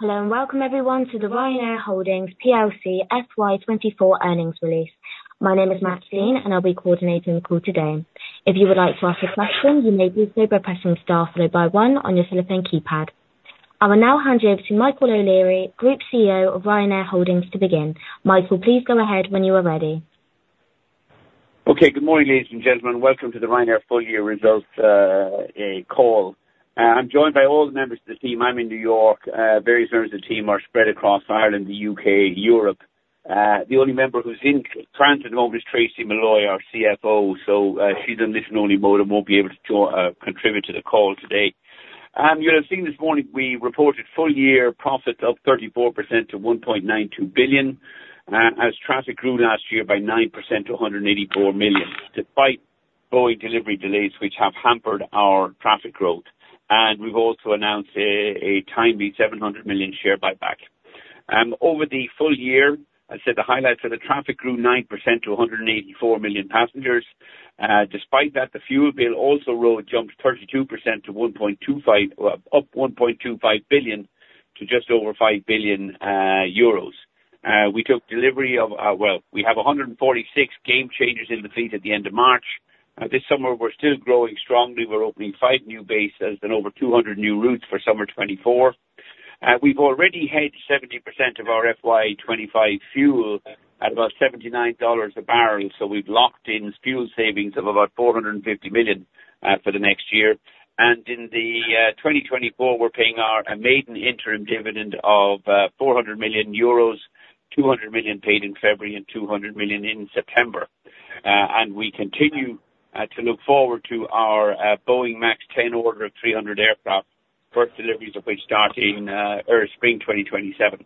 Hello and welcome everyone to the Ryanair Holdings PLC FY24 Earnings Release. My name is Maxine and I'll be coordinating the call today. If you would like to ask a question, you may do so by pressing star followed by one on your telephone keypad. I will now hand you over to Michael O'Leary, Group CEO of Ryanair Holdings, to begin. Michael, please go ahead when you are ready. Okay, good morning ladies and gentlemen. Welcome to the Ryanair Full Year Results Call. I'm joined by all the members of the team. I'm in New York. Various members of the team are spread across Ireland, the U.K., Europe. The only member who's in France at the moment is Tracey McCann, our CFO, so, she's in listen-only mode and won't be able to join and contribute to the call today. You'll have seen this morning we reported full year profit of 34% to 1.92 billion, as traffic grew last year by 9% to 184 million, despite Boeing delivery delays which have hampered our traffic growth. We've also announced a timely 700 million share buyback. Over the full year, as I said, the highlights are the traffic grew 9% to 184 million passengers. Despite that, the fuel bill also rose jumped 32% to 1.25 billion, well, up 1.25 billion to just over 5 billion euros. We took delivery of, well, we have 146 Gamechangers in the fleet at the end of March. This summer we're still growing strongly. We're opening five new bases and over 200 new routes for summer 2024. We've already hedged 70% of our FY25 fuel at about $79 a barrel, so we've locked in fuel savings of about 450 million for the next year. In 2024 we're paying our maiden interim dividend of 400 million euros, 200 million paid in February, and 200 million in September. We continue to look forward to our Boeing MAX 10 order of 300 aircraft, first deliveries of which starting early spring 2027.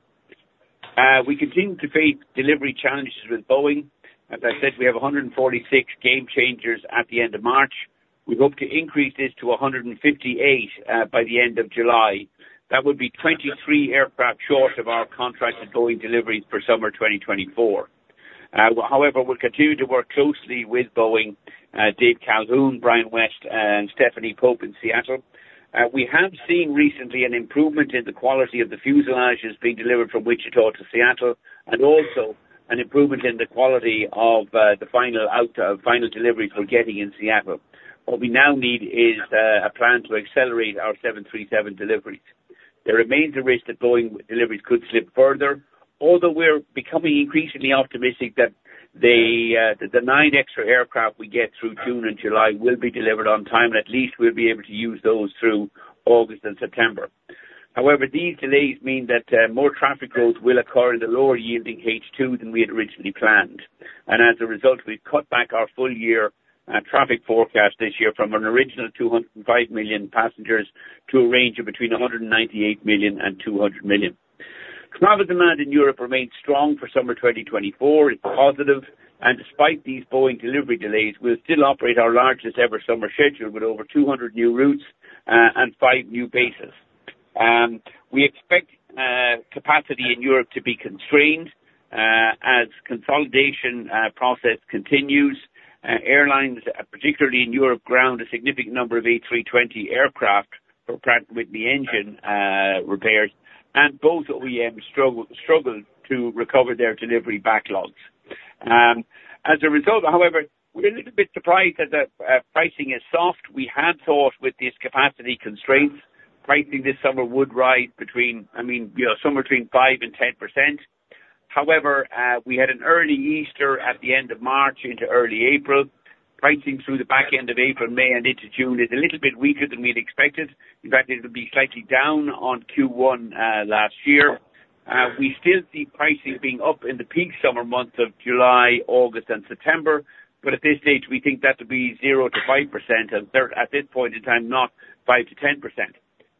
We continue to face delivery challenges with Boeing. As I said, we have 146 Gamechangers at the end of March. We hope to increase this to 158, by the end of July. That would be 23 aircraft short of our contracted Boeing deliveries for summer 2024. However, we'll continue to work closely with Boeing, Dave Calhoun, Brian West, and Stephanie Pope in Seattle. We have seen recently an improvement in the quality of the fuselages being delivered from Wichita to Seattle, and also an improvement in the quality of, the final out final delivery for getting in Seattle. What we now need is, a plan to accelerate our 737 deliveries. There remains a risk that Boeing deliveries could slip further, although we're becoming increasingly optimistic that the, the nine extra aircraft we get through June and July will be delivered on time, and at least we'll be able to use those through August and September. However, these delays mean that more traffic growth will occur in the lower yielding H2 than we had originally planned. And as a result, we've cut back our full year traffic forecast this year from an original 205 million passengers to a range of between 198 million and 200 million. Customer demand in Europe remains strong for summer 2024. It's positive. And despite these Boeing delivery delays, we'll still operate our largest ever summer schedule with over 200 new routes, and five new bases. We expect capacity in Europe to be constrained, as consolidation process continues. Airlines, particularly in Europe, ground a significant number of A320 aircraft for Pratt & Whitney engine repairs, and both OEMs struggle to recover their delivery backlogs. As a result, however, we're a little bit surprised that the pricing is soft. We had thought with these capacity constraints, pricing this summer would rise between, I mean, you know, somewhere between 5% and 10%. However, we had an early Easter at the end of March into early April. Pricing through the back end of April, May, and into June is a little bit weaker than we'd expected. In fact, it'll be slightly down on Q1 last year. We still see pricing being up in the peak summer months of July, August, and September, but at this stage we think that'll be 0%-5%, and there at this point in time, not 5%-10%.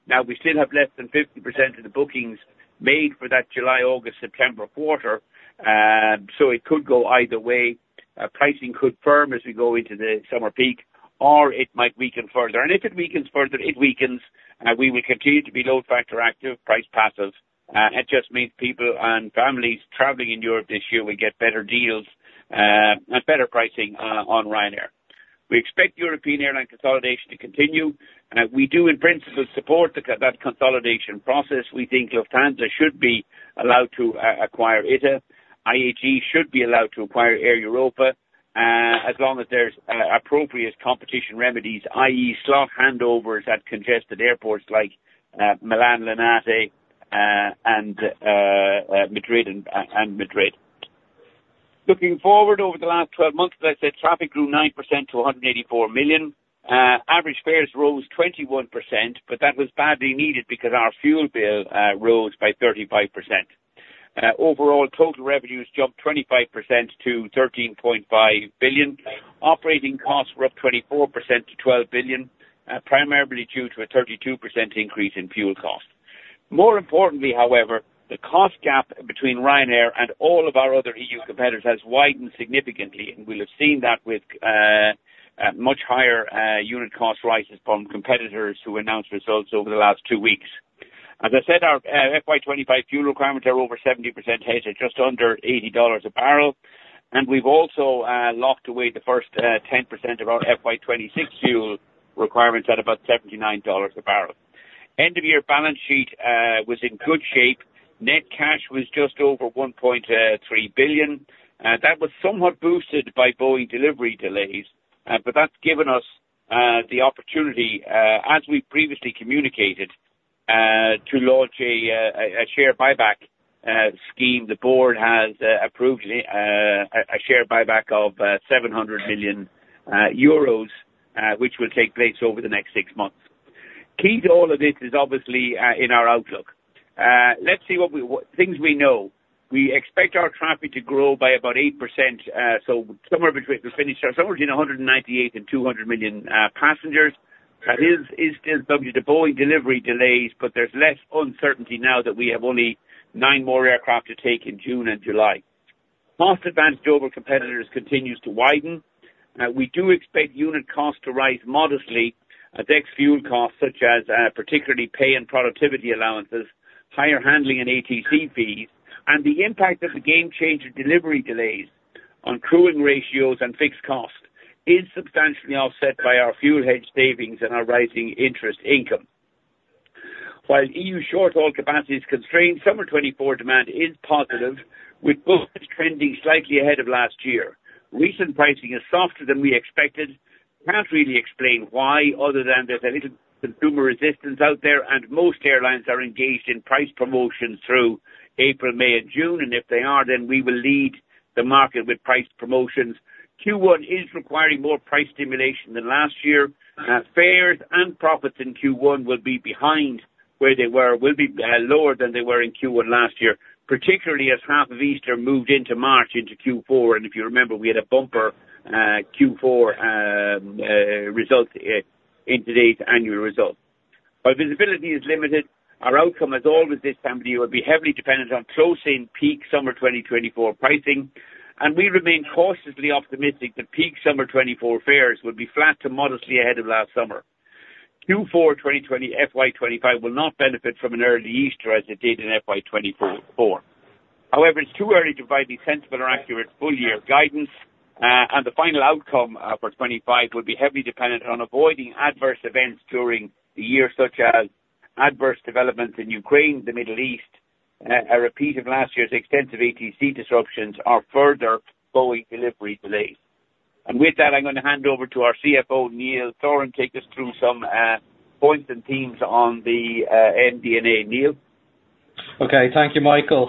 Now, we still have less than 50% of the bookings made for that July, August, September quarter, so it could go either way. Pricing could firm as we go into the summer peak, or it might weaken further. If it weakens further, it weakens, we will continue to be load factor active, price passive. It just means people and families traveling in Europe this year will get better deals, and better pricing, on Ryanair. We expect European airline consolidation to continue. We do in principle support that consolidation process. We think Lufthansa should be allowed to acquire ITA. IAG should be allowed to acquire Air Europa, as long as there's appropriate competition remedies, i.e., slot handovers at congested airports like Milan, Linate and Madrid. Looking forward over the last 12 months, as I said, traffic grew 9% to 184 million. Average fares rose 21%, but that was badly needed because our fuel bill rose by 35%. Overall total revenues jumped 25% to 13.5 billion. Operating costs were up 24% to 12 billion, primarily due to a 32% increase in fuel cost. More importantly, however, the cost gap between Ryanair and all of our other E.U. competitors has widened significantly, and we'll have seen that with much higher unit cost rises from competitors who announced results over the last two weeks. As I said, our FY25 fuel requirements are over 70% hedged, at just under $80 a barrel, and we've also locked away the first 10% of our FY26 fuel requirements at about $79 a barrel. End of year balance sheet was in good shape. Net cash was just over 1.3 billion. That was somewhat boosted by Boeing delivery delays, but that's given us the opportunity, as we previously communicated, to launch a share buyback scheme. The board has approved a share buyback of 700 million euros, which will take place over the next six months. Key to all of this is obviously in our outlook. Let's see what we know. We expect our traffic to grow by about 8%, so we'll finish somewhere between 198 and 200 million passengers. That is still subject to Boeing delivery delays, but there's less uncertainty now that we have only nine more aircraft to take in June and July. Cost advantage over competitors continues to widen. We do expect unit costs to rise modestly. Ex fuel costs such as, particularly pay and productivity allowances, higher handling and ATC fees, and the impact of the Gamechanger delivery delays on crewing ratios and fixed costs is substantially offset by our fuel hedge savings and our rising interest income. While E.U. short-haul capacity is constrained, summer 2024 demand is positive, with bookings trending slightly ahead of last year. Recent pricing is softer than we expected. Can't really explain why other than there's a little consumer resistance out there, and most airlines are engaged in price promotions through April, May, and June, and if they are, then we will lead the market with price promotions. Q1 is requiring more price stimulation than last year. Fares and profits in Q1 will be behind where they were, lower than they were in Q1 last year, particularly as half of Easter moved into March, into Q4, and if you remember we had a bumper Q4 results, in today's annual results. While visibility is limited, our outcome as always this time of the year will be heavily dependent on closing peak summer 2024 pricing, and we remain cautiously optimistic that peak summer 2024 fares will be flat to modestly ahead of last summer. Q4 FY25 will not benefit from an early Easter as it did in FY24. However, it's too early to provide any sensible or accurate full year guidance, and the final outcome for 2025 will be heavily dependent on avoiding adverse events during the year such as adverse developments in Ukraine, the Middle East, a repeat of last year's extensive ATC disruptions, or further Boeing delivery delays. And with that, I'm going to hand over to our CFO, Neil Sorahan, take us through some points and themes on the MD&A. Neil? Okay, thank you, Michael.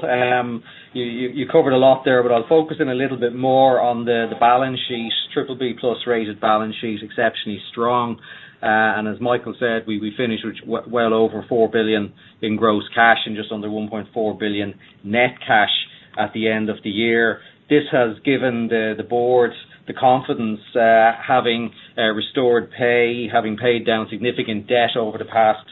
You covered a lot there, but I'll focus in a little bit more on the balance sheets. BBB+ rated balance sheet's exceptionally strong. And as Michael said, we finished well over 4 billion in gross cash and just under 1.4 billion net cash at the end of the year. This has given the boards the confidence, having restored pay, having paid down significant debt over the past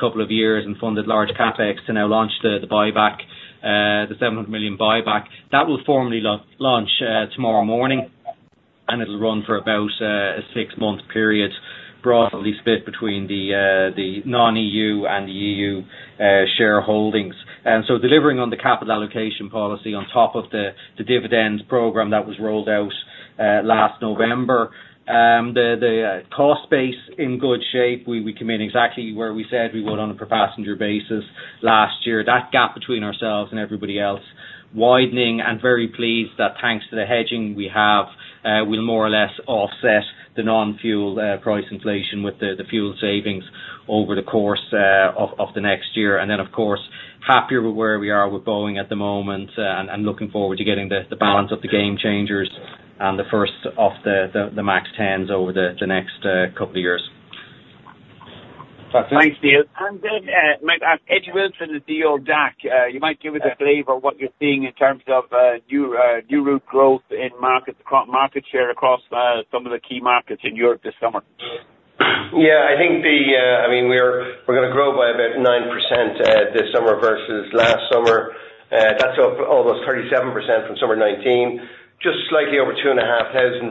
couple of years, and funded large CapEx to now launch the buyback, the 700 million buyback. That will formally launch tomorrow morning, and it'll run for about a six-month period, broadly split between the non-E.U. and the EU shareholdings. And so delivering on the capital allocation policy on top of the dividends program that was rolled out last November, the cost base in good shape. We came in exactly where we said we would on a per-passenger basis last year. That gap between ourselves and everybody else widening, and very pleased that thanks to the hedging we have, will more or less offset the non-fuel price inflation with the fuel savings over the course of the next year. And then, of course, happier with where we are with Boeing at the moment, and looking forward to getting the balance of the Gamechangers and the first of the MAX 10s over the next couple of years. That's it. Thanks, Neil. And then, Mike, I'm Eddie Wilson at Ryanair DAC. You might give us a flavor of what you're seeing in terms of new route growth and market share across some of the key markets in Europe this summer. Yeah, I think the, I mean, we're going to grow by about 9%, this summer vs last summer. That's up almost 37% from summer 2019, just slightly over 2,500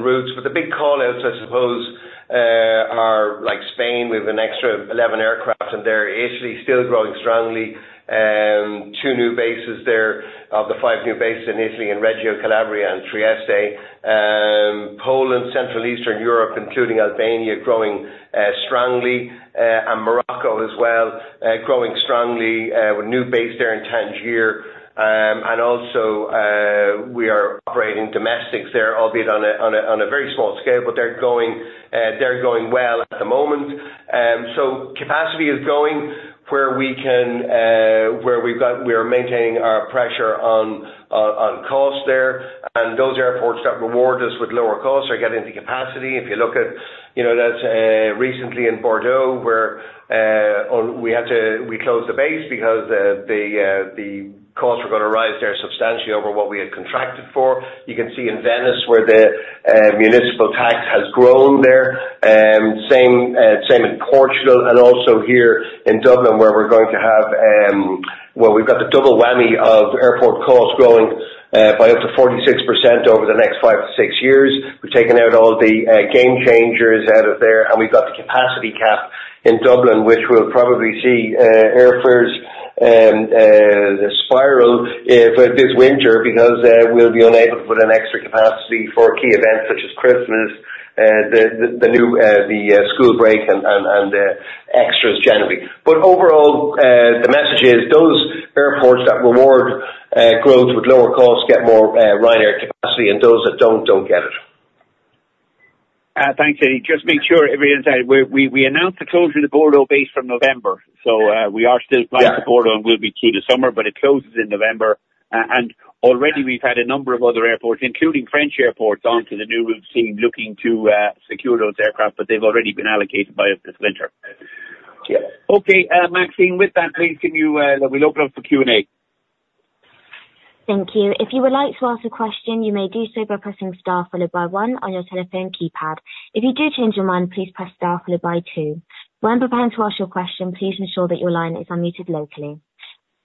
routes. But the big callouts, I suppose, are like Spain. We have an extra 11 aircraft in there. Italy still growing strongly. Two new bases there of the five new bases in Italy in Reggio Calabria and Trieste. Poland, Central Eastern Europe, including Albania, growing strongly. And Morocco as well, growing strongly, with a new base there in Tangier. And also, we are operating domestics there, albeit on a very small scale, but they're going well at the moment. So capacity is going where we can, where we've got, we are maintaining our pressure on cost there, and those airports that reward us with lower costs are getting the capacity. If you look at, you know, that's recently in Bordeaux where we had to close the base because the costs were going to rise there substantially over what we had contracted for. You can see in Venice where the municipal tax has grown there. Same in Portugal, and also here in Dublin where we're going to have, well, we've got the double whammy of airport costs growing by up to 46% over the next five to six years. We've taken out all the Gamechangers out of there, and we've got the capacity cap in Dublin, which we'll probably see airfares spiral if this winter because we'll be unable to put an extra capacity for key events such as Christmas, the new school break and extras generally. But overall, the message is those airports that reward growth with lower costs get more Ryanair capacity, and those that don't don't get it. Thanks, Eddie. Just make sure everyone's heard we announced the closure of the Bordeaux base from November, so we are still planning to Bordeaux, and we'll be through the summer, but it closes in November. And already we've had a number of other airports, including French airports, onto the new route scheme looking to secure those aircraft, but they've already been allocated by us this winter. Yep. Okay, Maxine, with that, please can you let me look it up for Q&A. Thank you. If you would like to ask a question, you may do so by pressing star followed by one on your telephone keypad. If you do change your mind, please press star followed by two. When preparing to ask your question, please ensure that your line is unmuted locally.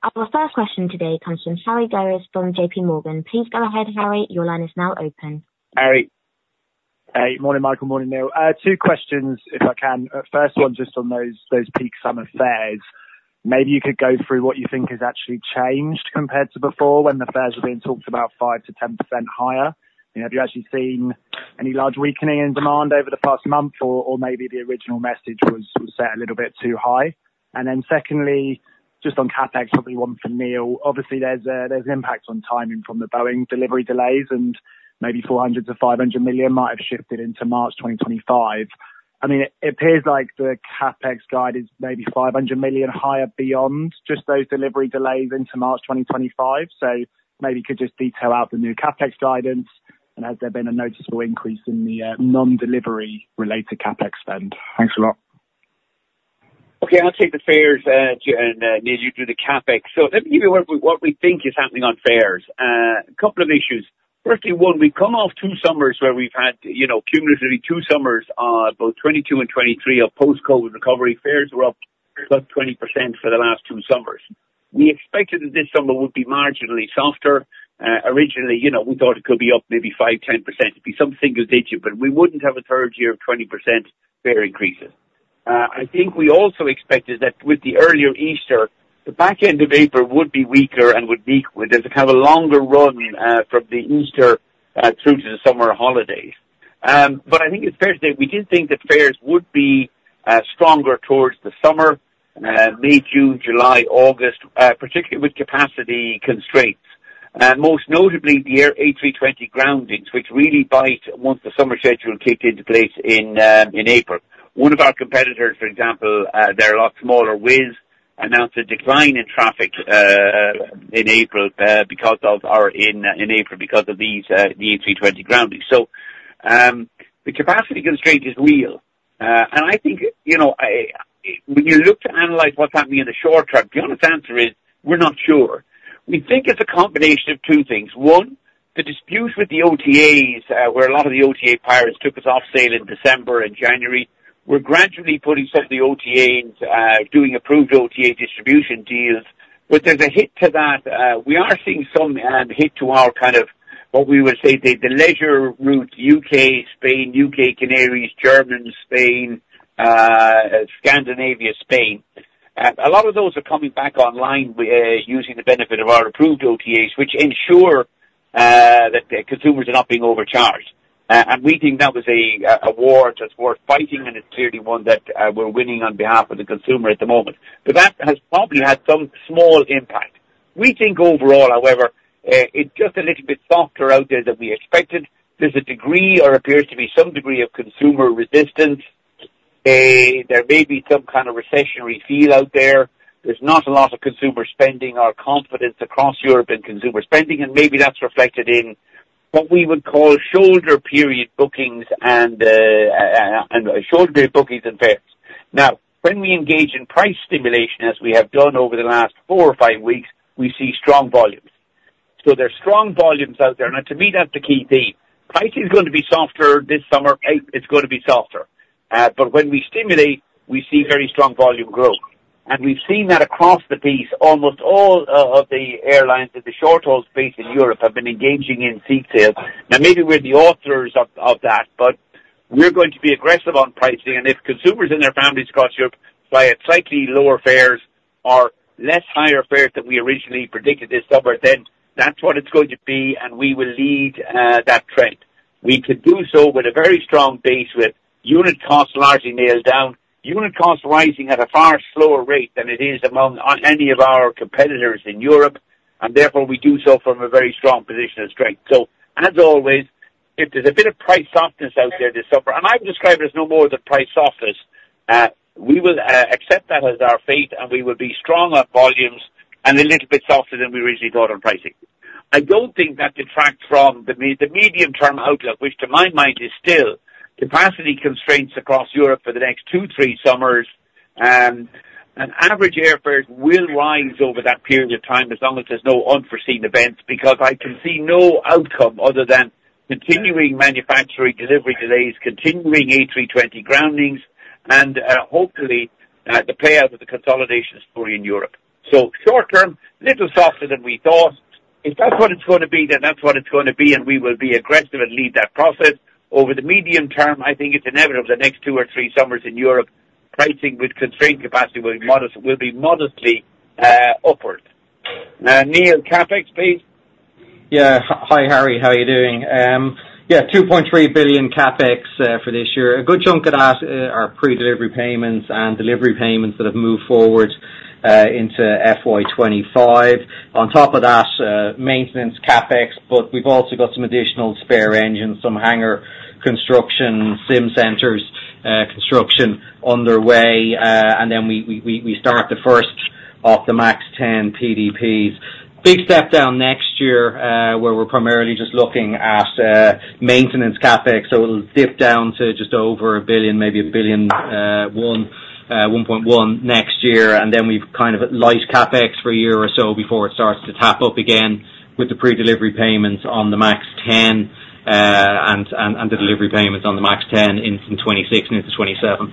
Our first question today comes from Harry Gowers from JPMorgan. Please go ahead, Harry. Your line is now open. Hey, morning, Michael. Morning, Neil. Two questions, if I can. First one just on those peak summer fares. Maybe you could go through what you think has actually changed compared to before when the fares were being talked about 5%-10% higher. You know, have you actually seen any large weakening in demand over the past month, or maybe the original message was set a little bit too high? And then secondly, just on CapEx, probably one for Neil. Obviously, there's an impact on timing from the Boeing delivery delays, and maybe 400 million-500 million might have shifted into March 2025. I mean, it appears like the CapEx guide is maybe 500 million higher beyond just those delivery delays into March 2025, so maybe you could just detail out the new CapEx guidance, and has there been a noticeable increase in the non-delivery related CapEx spend? Thanks a lot. Okay, I'll take the fares, J and Neil, you do the CapEx. So let me give you what we think is happening on fares. A couple of issues. Firstly, one, we've come off two summers where we've had, you know, cumulatively two summers, both 2022 and 2023 of post-COVID recovery. Fares were up +20% for the last two summers. We expected that this summer would be marginally softer. Originally, you know, we thought it could be up maybe 5%-10%. It'd be some single digit, but we wouldn't have a third year of 20% fare increases. I think we also expected that with the earlier Easter, the back end of April would be weaker and would weaken. There's a kind of a longer run, from Easter, through to the summer holidays. But I think it's fair to say we did think that fares would be stronger towards the summer, May, June, July, August, particularly with capacity constraints. Most notably, the Airbus A320 groundings, which really bite once the summer schedule kicked into place in April. One of our competitors, for example, they're a lot smaller. Wizz announced a decline in traffic in April because of these A320 groundings. So, the capacity constraint is real. I think, you know, when you look to analyze what's happening in the short term, the honest answer is we're not sure. We think it's a combination of two things. One, the disputes with the OTAs, where a lot of the OTA pirates took us off sail in December and January. We're gradually putting some of the OTAs, doing approved OTA distribution deals, but there's a hit to that. We are seeing some hit to our kind of what we would say the leisure route: U.K., Spain, U.K., Canaries, Germany, Spain, Scandinavia, Spain. A lot of those are coming back online with using the benefit of our approved OTAs, which ensure that the consumers are not being overcharged. And we think that was a war that's worth fighting, and it's clearly one that we're winning on behalf of the consumer at the moment. But that has probably had some small impact. We think overall, however, it's just a little bit softer out there than we expected. There's a degree or appears to be some degree of consumer resistance. There may be some kind of recessionary feel out there. There's not a lot of consumer spending or confidence across Europe in consumer spending, and maybe that's reflected in what we would call shoulder period bookings and, and shoulder period bookings and fares. Now, when we engage in price stimulation, as we have done over the last four or five weeks, we see strong volumes. So there's strong volumes out there. Now, to me, that's the key theme. Pricing's going to be softer this summer. It's going to be softer. But when we stimulate, we see very strong volume growth. And we've seen that across the piece. Almost all of the airlines in the short-haul space in Europe have been engaging in seat sales. Now, maybe we're the authors of, of that, but we're going to be aggressive on pricing, and if consumers in their families across Europe fly at slightly lower fares or less higher fares than we originally predicted this summer, then that's what it's going to be, and we will lead that trend. We could do so with a very strong base with unit costs largely nailed down, unit costs rising at a far slower rate than it is among any of our competitors in Europe, and therefore we do so from a very strong position of strength. So as always, if there's a bit of price softness out there this summer and I would describe it as no more than price softness, we will accept that as our fate, and we will be strong on volumes and a little bit softer than we originally thought on pricing. I don't think that detracts from the medium-term outlook, which to my mind is still capacity constraints across Europe for the next two to three summers. Average airfares will rise over that period of time as long as there's no unforeseen events because I can see no outcome other than continuing manufacturing delivery delays, continuing A320 groundings, and, hopefully, the payout of the consolidation story in Europe. So short term, a little softer than we thought. If that's what it's going to be, then that's what it's going to be, and we will be aggressive and lead that process. Over the medium term, I think it's inevitable the next two to three summers in Europe, pricing with constrained capacity will be modestly upward. Neil, CapEx, please. Yeah, hi, Harry. How are you doing? Yeah, 2.3 billion CapEx for this year. A good chunk of that are pre-delivery payments and delivery payments that have moved forward into FY25. On top of that, maintenance CapEx, but we've also got some additional spare engines, some hangar construction, sim centers construction underway, and then we start the first of the MAX 10 PDPs. Big step down next year, where we're primarily just looking at maintenance CapEx, so it'll dip down to just over a billion, maybe 1.1 billion next year, and then we've kind of light CapEx for a year or so before it starts to ramp up again with the pre-delivery payments on the MAX 10, and the delivery payments on the MAX 10 in 2026 and into 2027.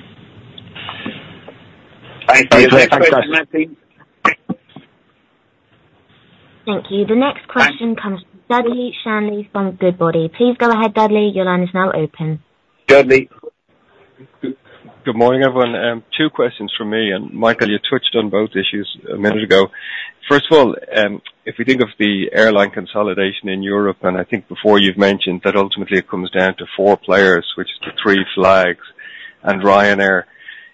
Thanks, Neil. Next question, Maxine. Thank you. The next question comes from Dudley Shanley from Goodbody. Please go ahead, Dudley. Your line is now open. Dudley. Good morning, everyone. Two questions from me, and Michael, you touched on both issues a minute ago. First of all, if we think of the airline consolidation in Europe, and I think before you've mentioned that ultimately it comes down to four players, which is the three flags and Ryanair,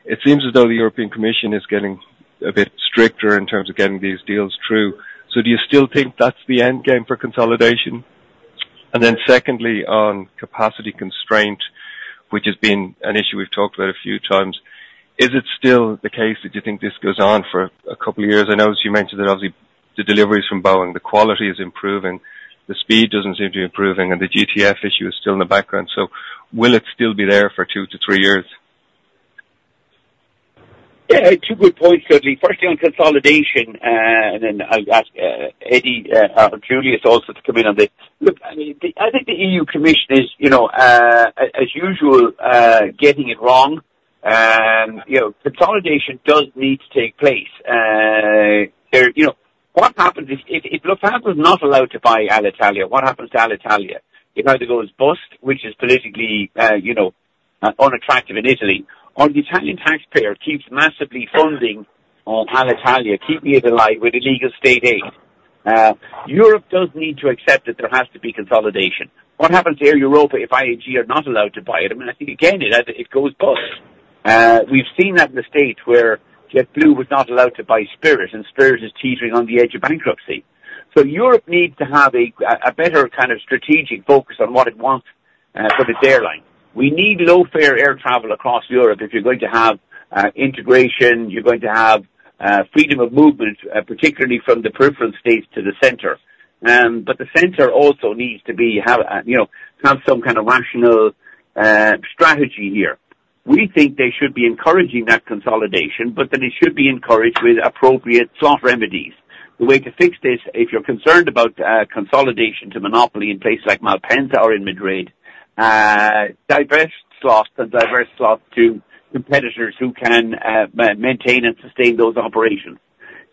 it seems as though the European Commission is getting a bit stricter in terms of getting these deals through. So do you still think that's the endgame for consolidation? And then secondly, on capacity constraint, which has been an issue we've talked about a few times, is it still the case that you think this goes on for a couple of years? I know as you mentioned that obviously the deliveries from Boeing, the quality is improving, the speed doesn't seem to be improving, and the GTF issue is still in the background. Will it still be there for two to three years? Yeah, two good points, Dudley. Firstly, on consolidation, and then I'll ask Eddie or Juliusz also to come in on this. Look, I mean, I think the E.U. Commission is, you know, as usual, getting it wrong. You know, consolidation does need to take place. You know, what happens if Lufthansa is not allowed to buy Alitalia? What happens to Alitalia? If either goes bust, which is politically, you know, unattractive in Italy, or the Italian taxpayer keeps massively funding on Alitalia, keeping it alive with illegal state aid, Europe does need to accept that there has to be consolidation. What happens to Air Europa if IAG are not allowed to buy it? I mean, I think again, it goes bust. We've seen that in the States where JetBlue was not allowed to buy Spirit, and Spirit is teetering on the edge of bankruptcy. So Europe needs to have a better kind of strategic focus on what it wants for this airline. We need low-fare air travel across Europe if you're going to have integration. You're going to have freedom of movement, particularly from the peripheral states to the center. But the center also needs to have a, you know, some kind of rational strategy here. We think they should be encouraging that consolidation, but then it should be encouraged with appropriate slot remedies. The way to fix this, if you're concerned about consolidation to monopoly in places like Malpensa or in Madrid, divest slots and divest slots to competitors who can maintain and sustain those operations.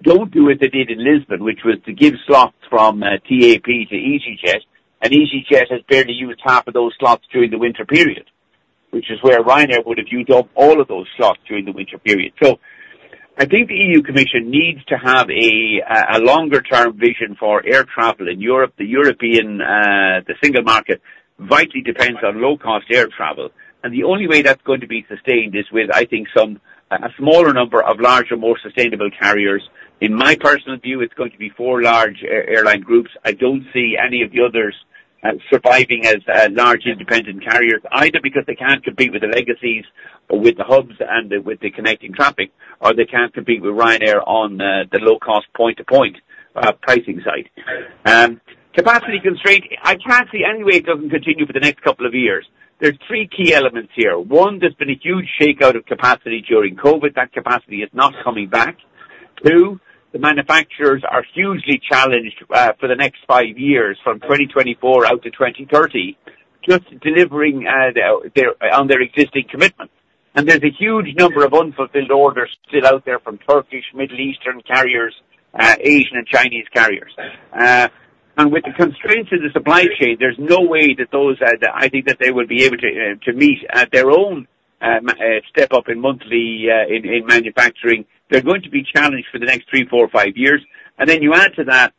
Don't do as they did in Lisbon, which was to give slots from TAP to easyJet, and easyJet has barely used half of those slots during the winter period, which is where Ryanair would have used up all of those slots during the winter period. So I think the E.U. Commission needs to have a longer-term vision for air travel in Europe. The single market vitally depends on low-cost air travel, and the only way that's going to be sustained is with, I think, a smaller number of larger, more sustainable carriers. In my personal view, it's going to be four large airline groups. I don't see any of the others surviving as large independent carriers either because they can't compete with the legacies or with the hubs and the connecting traffic, or they can't compete with Ryanair on the low-cost point-to-point pricing side. Capacity constraint, I can't see any way it doesn't continue for the next couple of years. There's 3 key elements here. One, there's been a huge shakeout of capacity during COVID. That capacity is not coming back. Two, the manufacturers are hugely challenged, for the next five years from 2024 out to 2030 just delivering on their existing commitments. And there's a huge number of unfulfilled orders still out there from Turkish, Middle Eastern carriers, Asian and Chinese carriers. And with the constraints in the supply chain, there's no way that those that I think they will be able to meet their own massive step up in monthly manufacturing. They're going to be challenged for the next three, four, five years. And then you add to that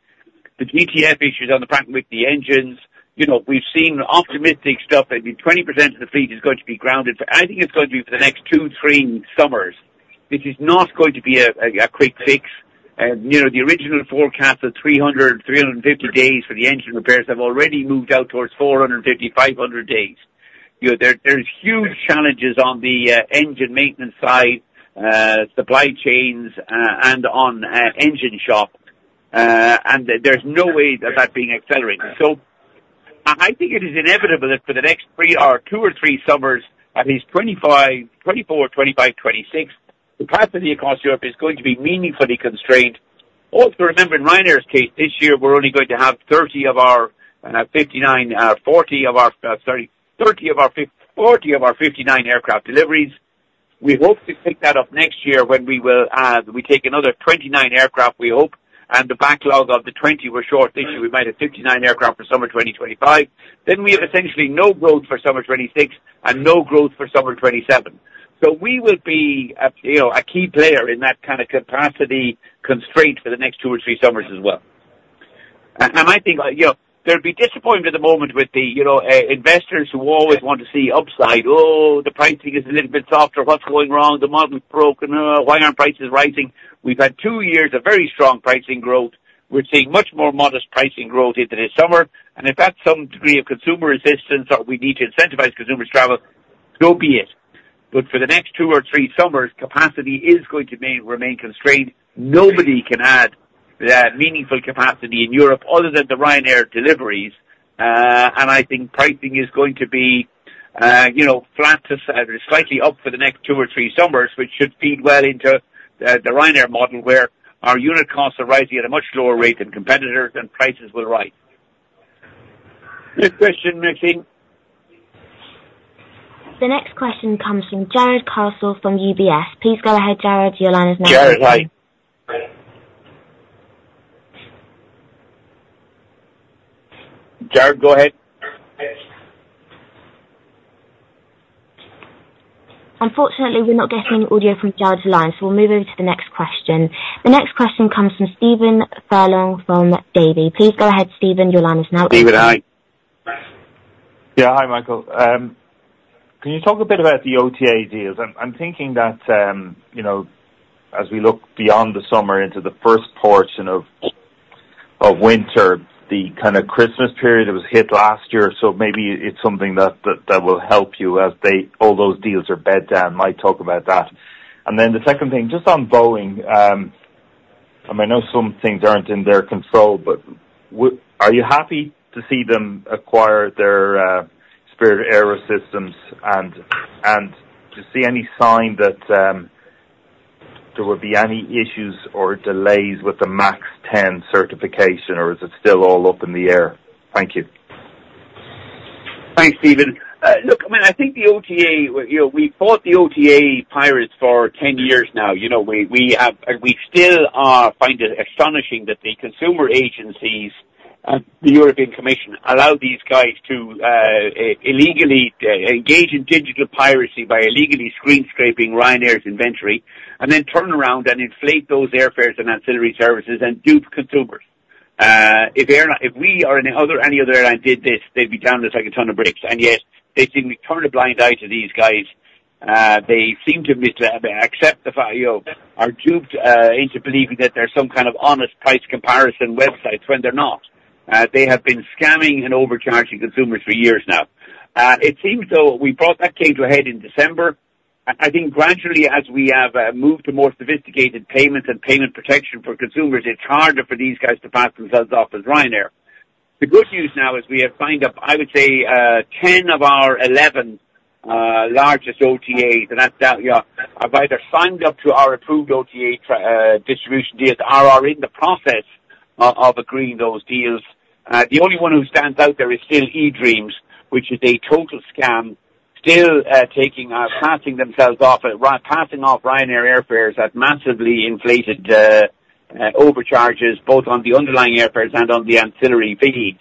the GTF issues on the Pratt & Whitney engines. You know, we've seen optimistic stuff that 20% of the fleet is going to be grounded for I think it's going to be for the next two, three summers. This is not going to be a quick fix. You know, the original forecast of 300-350 days for the engine repairs have already moved out towards 450-500 days. You know, there, there's huge challenges on the engine maintenance side, supply chains, and on engine shop. And there's no way that that's being accelerated. So I think it is inevitable that for the next three or two or three summers, at least 2025, 2024, 2025, 2026, capacity across Europe is going to be meaningfully constrained. Also, remember, in Ryanair's case, this year, we're only going to have 30 of our 40 of our 59 aircraft deliveries. We hope to pick that up next year when we will take another 29 aircraft, we hope, and the backlog of the 20 we were short this year. We might have 59 aircraft for summer 2025. Then we have essentially no growth for summer 2026 and no growth for summer 2027. So we will be a, you know, a key player in that kind of capacity constraint for the next two or three summers as well. And I think, you know, there'd be disappointment at the moment with the, you know, investors who always want to see upside. "Oh, the pricing is a little bit softer. What's going wrong? The model's broken. Why aren't prices rising?" We've had two years of very strong pricing growth. We're seeing much more modest pricing growth here this summer, and if that's some degree of consumer resistance or we need to incentivize consumers' travel, so be it. But for the next two or three summers, capacity is going to remain constrained. Nobody can add meaningful capacity in Europe other than the Ryanair deliveries. And I think pricing is going to be, you know, flat to slightly up for the next two or three summers, which should feed well into the Ryanair model where our unit costs are rising at a much lower rate than competitors, and prices will rise. Next question, Maxine. The next question comes from Jarrod Castle from UBS. Please go ahead, Jarrod. Your line is now open. Jarrod, hi. Jarrod, go ahead. Unfortunately, we're not getting any audio from Jarrod's line, so we'll move over to the next question. The next question comes from Stephen Furlong from Davy. Please go ahead, Stephen. Your line is now open. Stephen, hi. Yeah, hi, Michael. Can you talk a bit about the OTA deals? I'm thinking that, you know, as we look beyond the summer into the first portion of winter, the kind of Christmas period that was hit last year, so maybe it's something that will help you as all those deals are bedded down? Might talk about that. And then the second thing, just on Boeing, I mean, I know some things aren't in their control, but are you happy to see them acquire Spirit AeroSystems and to see any sign that there would be any issues or delays with the MAX 10 certification, or is it still all up in the air? Thank you. Thanks, Stephen. Look, I mean, I think the OTA, you know, we fought the OTA pirates for 10 years now. You know, we have and we still find it astonishing that the consumer agencies and the European Commission allow these guys to illegally engage in digital piracy by illegally screenscraping Ryanair's inventory and then turn around and inflate those airfares and ancillary services and dupe consumers. If we or any other airline did this, they'd be down as like a ton of bricks. And yet, they seem to turn a blind eye to these guys. They seem to misaccept the fact, you know, are duped into believing that there's some kind of honest price comparison websites when they're not. They have been scamming and overcharging consumers for years now. It seems though that came to a head in December. I think gradually as we have moved to more sophisticated payments and payment protection for consumers, it's harder for these guys to pass themselves off as Ryanair. The good news now is we have signed up, I would say, 10 of our 11 largest OTAs, and that's, you know, have either signed up to our approved OTA travel distribution deals or are in the process of agreeing those deals. The only one who stands out there is still eDreams, which is a total scam, still taking, passing themselves off as Ryanair, passing off Ryanair airfares at massively inflated overcharges both on the underlying airfares and on the ancillary fees.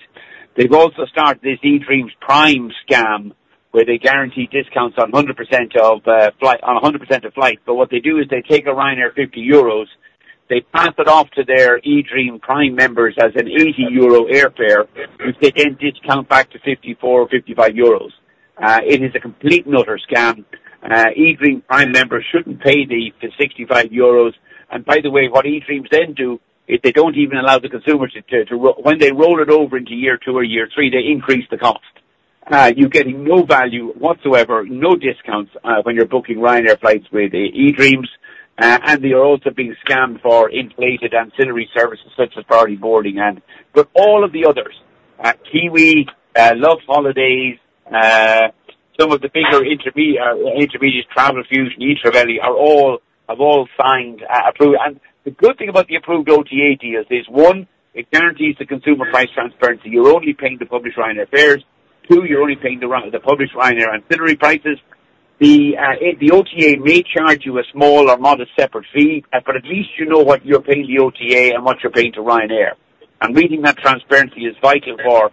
They've also started this eDreams Prime scam where they guarantee discounts on 100% of flights on 100% of flights. But what they do is they take a Ryanair 50 euros, they pass it off to their eDreams Prime members as an 80 euro airfare, which they then discount back to 54, 55 euros. It is a complete and utter scam. eDreams Prime members shouldn't pay the, the 65 euros. And by the way, what eDreams then do is they don't even allow the consumer to, to roll when they roll it over into year two or year three, they increase the cost. You're getting no value whatsoever, no discounts, when you're booking Ryanair flights with eDreams. And they are also being scammed for inflated ancillary services such as priority boarding, but all of the others, Kiwi, Loveholidays, some of the bigger intermediate Travelfusion, Etraveli, are all, have all signed approved. And the good thing about the approved OTA deals is, one, it guarantees the consumer price transparency. You're only paying to publish Ryanair fares. Two, you're only paying the published Ryanair ancillary prices. The OTA may charge you a small or modest separate fee, but at least you know what you're paying the OTA and what you're paying to Ryanair. And reading that transparency is vital for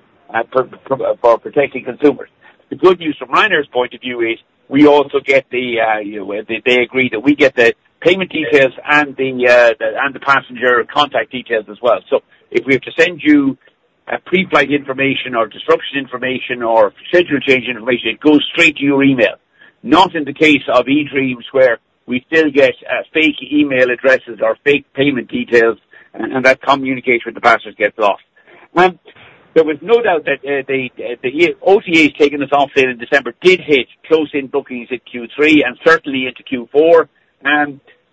protecting consumers. The good news from Ryanair's point of view is we also get the, you know, they agree that we get the payment details and the passenger contact details as well. So if we have to send you pre-flight information or disruption information or schedule change information, it goes straight to your email, not in the case of eDreams where we still get fake email addresses or fake payment details, and that communication with the passengers gets lost. There was no doubt that the OTAs taking us off sale in December did hit close-in bookings at Q3 and certainly into Q4.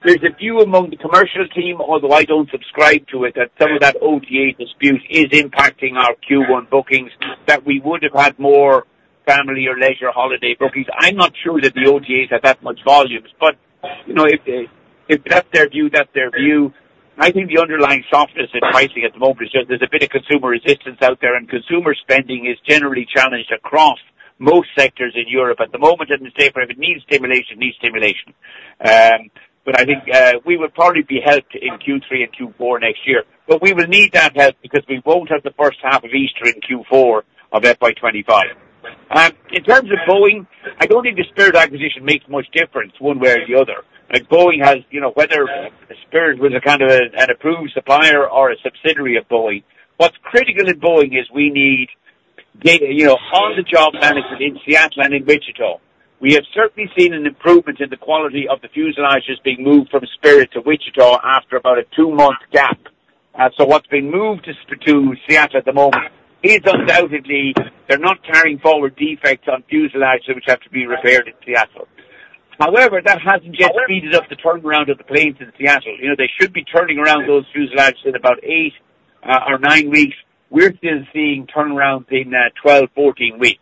There's a view among the commercial team, although I don't subscribe to it, that some of that OTA dispute is impacting our Q1 bookings, that we would have had more family or leisure holiday bookings. I'm not sure that the OTAs had that much volume, but you know, if that's their view, that's their view. I think the underlying softness in pricing at the moment is just there's a bit of consumer resistance out there, and consumer spending is generally challenged across most sectors in Europe at the moment. To say, "For if it needs stimulation, it needs stimulation." But I think we will probably be helped in Q3 and Q4 next year, but we will need that help because we won't have the first half of Easter in Q4 of FY25. In terms of Boeing, I don't think the Spirit acquisition makes much difference one way or the other. Like, Boeing has, you know, whether Spirit was a kind of an approved supplier or a subsidiary of Boeing, what's critical in Boeing is we need the, you know, on-the-job management in Seattle and in Wichita. We have certainly seen an improvement in the quality of the fuselages being moved from Spirit to Wichita after about a two-month gap. So what's been moved from Spirit to Seattle at the moment is undoubtedly they're not carrying forward defects on fuselages which have to be repaired in Seattle. However, that hasn't yet speeded up the turnaround of the planes in Seattle. You know, they should be turning around those fuselages in about eight or nine weeks. We're still seeing turnarounds in 12-14 weeks.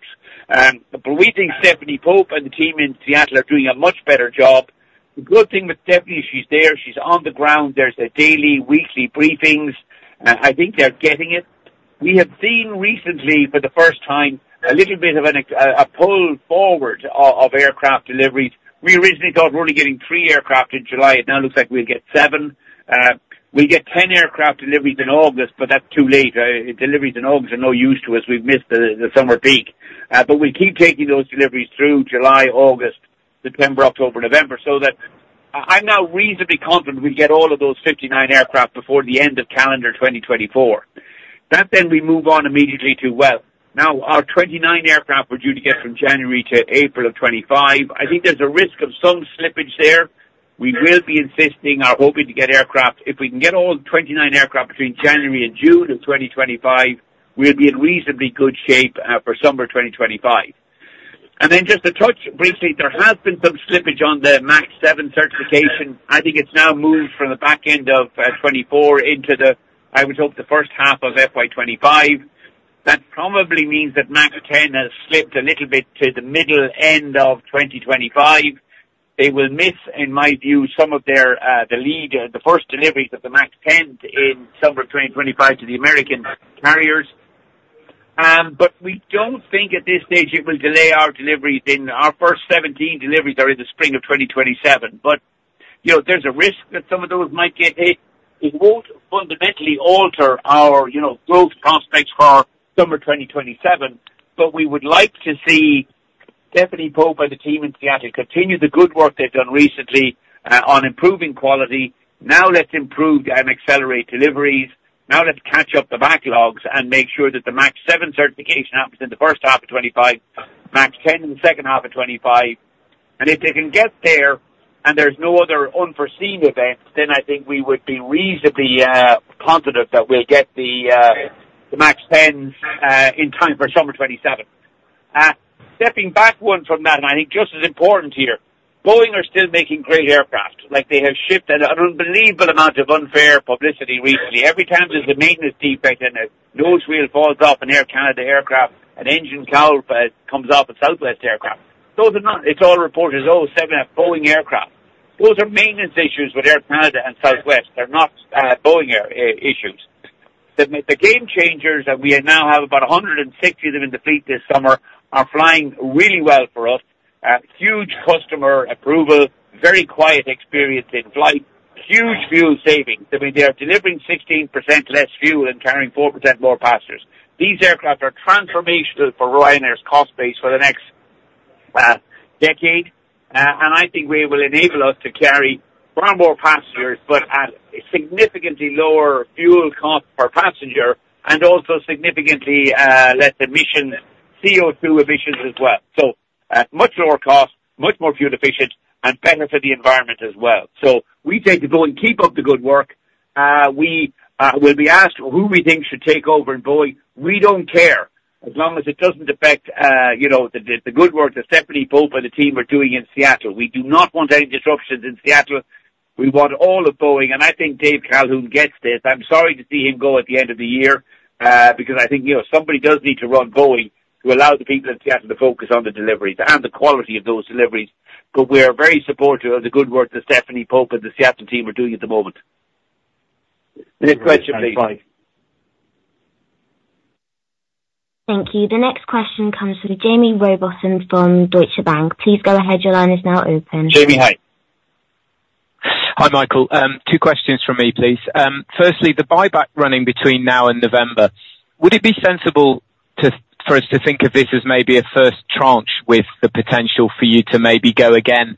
But we think Stephanie Pope and the team in Seattle are doing a much better job. The good thing with Stephanie is she's there. She's on the ground. There's the daily, weekly briefings. I think they're getting it. We have seen recently, for the first time, a little bit of a pull forward of aircraft deliveries. We originally thought we're only getting three aircraft in July. It now looks like we'll get seven. We'll get 10 aircraft deliveries in August, but that's too late. Deliveries in August are no use to us. We've missed the summer peak. But we'll keep taking those deliveries through July, August, September, October, November so that I'm now reasonably confident we'll get all of those 59 aircraft before the end of calendar 2024. That then we move on immediately to, well, now, our 29 aircraft were due to get from January to April of 2025. I think there's a risk of some slippage there. We will be insisting or hoping to get aircraft. If we can get all 29 aircraft between January and June of 2025, we'll be in reasonably good shape for summer 2025. Then just to touch briefly, there has been some slippage on the MAX 7 certification. I think it's now moved from the back end of 2024 into the, I would hope, the first half of FY25. That probably means that MAX 10 has slipped a little bit to the middle end of 2025. They will miss, in my view, some of their leading first deliveries of the MAX 10 in summer of 2025 to the American carriers. But we don't think at this stage it will delay our deliveries. In our first 17 deliveries are in the spring of 2027. But, you know, there's a risk that some of those might get hit. It won't fundamentally alter our, you know, growth prospects for summer 2027, but we would like to see Stephanie Pope and the team in Seattle continue the good work they've done recently, on improving quality. Now let's improve and accelerate deliveries. Now let's catch up the backlogs and make sure that the MAX 7 certification happens in the first half of 2025, MAX 10 in the second half of 2025. If they can get there and there's no other unforeseen event, then I think we would be reasonably confident that we'll get the MAX 10s in time for summer 2027. Stepping back one from that, and I think just as important here, Boeing are still making great aircraft. Like, they have shipped an unbelievable amount of unfair publicity recently. Every time there's a maintenance defect in a nose wheel falls off an Air Canada aircraft, an engine cowl comes off a Southwest aircraft. Those are not. It's all reporters, "Oh, seven Boeing aircraft." Those are maintenance issues with Air Canada and Southwest. They're not Boeing aircraft issues. The Gamechangers that we now have about 160 of them in the fleet this summer are flying really well for us. Huge customer approval, very quiet experience in flight, huge fuel savings. I mean, they are delivering 16% less fuel and carrying 4% more passengers. These aircraft are transformational for Ryanair's cost base for the next decade. And I think we will enable us to carry far more passengers but at a significantly lower fuel cost per passenger and also significantly less emissions, CO2 emissions as well. So much lower cost, much more fuel efficient, and better for the environment as well. So we take the Boeing keep up the good work. We will be asked who we think should take over in Boeing. We don't care as long as it doesn't affect, you know, the good work that Stephanie Pope and the team are doing in Seattle. We do not want any disruptions in Seattle. We want all of Boeing. And I think Dave Calhoun gets this. I'm sorry to see him go at the end of the year, because I think, you know, somebody does need to run Boeing to allow the people in Seattle to focus on the deliveries and the quality of those deliveries. But we are very supportive of the good work that Stephanie Pope and the Seattle team are doing at the moment. Next question, please. Thank you. The next question comes from Jaime Rowbotham from Deutsche Bank. Please go ahead. Your line is now open. Jamie, hi. Hi, Michael. 2 questions from me, please. Firstly, the buyback running between now and November, would it be sensible for us to think of this as maybe a first tranche with the potential for you to maybe go again,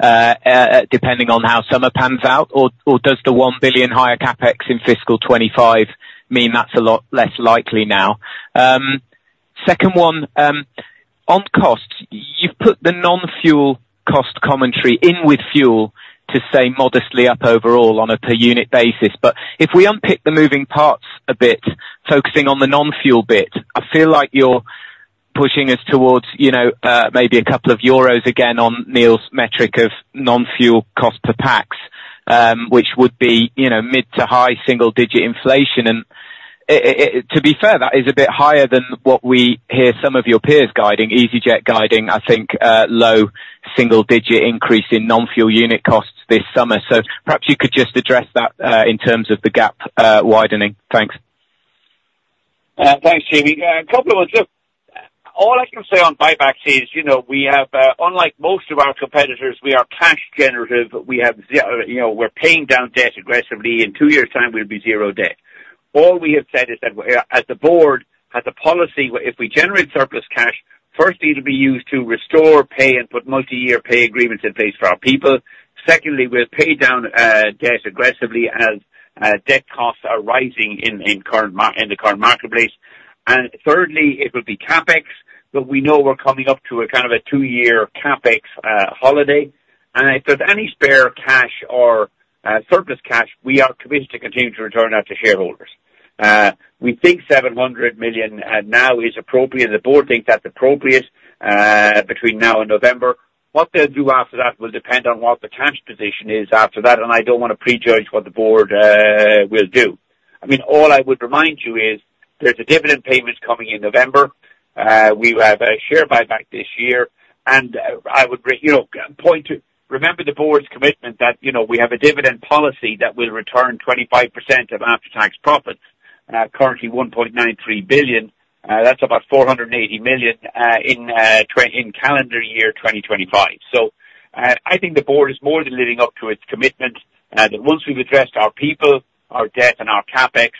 depending on how summer pans out? Or does the 1 billion higher CapEx in fiscal 2025 mean that's a lot less likely now? Second one, on costs, you've put the non-fuel cost commentary in with fuel to stay modestly up overall on a per-unit basis. But if we unpick the moving parts a bit, focusing on the non-fuel bit, I feel like you're pushing us towards, you know, maybe a couple of euros again on Neil's metric of non-fuel cost per pax, which would be, you know, mid- to high single-digit inflation. To be fair, that is a bit higher than what we hear some of your peers guiding, easyJet guiding, I think, low single-digit increase in non-fuel unit costs this summer. So perhaps you could just address that, in terms of the gap, widening. Thanks. Thanks, Jamie. Couple of words. Look, all I can say on buybacks is, you know, we have, unlike most of our competitors, we are cash-generative. We have zero, you know, we're paying down debt aggressively. In two years' time, we'll be zero debt. All we have said is that as the board has a policy if we generate surplus cash, firstly, it'll be used to restore, pay, and put multi-year pay agreements in place for our people. Secondly, we'll pay down debt aggressively as debt costs are rising in the current market, in the current marketplace. And thirdly, it'll be CapEx, but we know we're coming up to a kind of a two-year CapEx holiday. And if there's any spare cash or surplus cash, we are committed to continuing to return that to shareholders. We think 700 million now is appropriate. The board thinks that's appropriate, between now and November. What they'll do after that will depend on what the cash position is after that. I don't wanna prejudge what the board will do. I mean, all I would remind you is there's a dividend payment coming in November. We will have a share buyback this year. I would, you know, point to remember the board's commitment that, you know, we have a dividend policy that will return 25% of after-tax profits. Currently, 1.93 billion. That's about 480 million in calendar year 2025. So, I think the board is more than living up to its commitment, that once we've addressed our people, our debt, and our CapEx,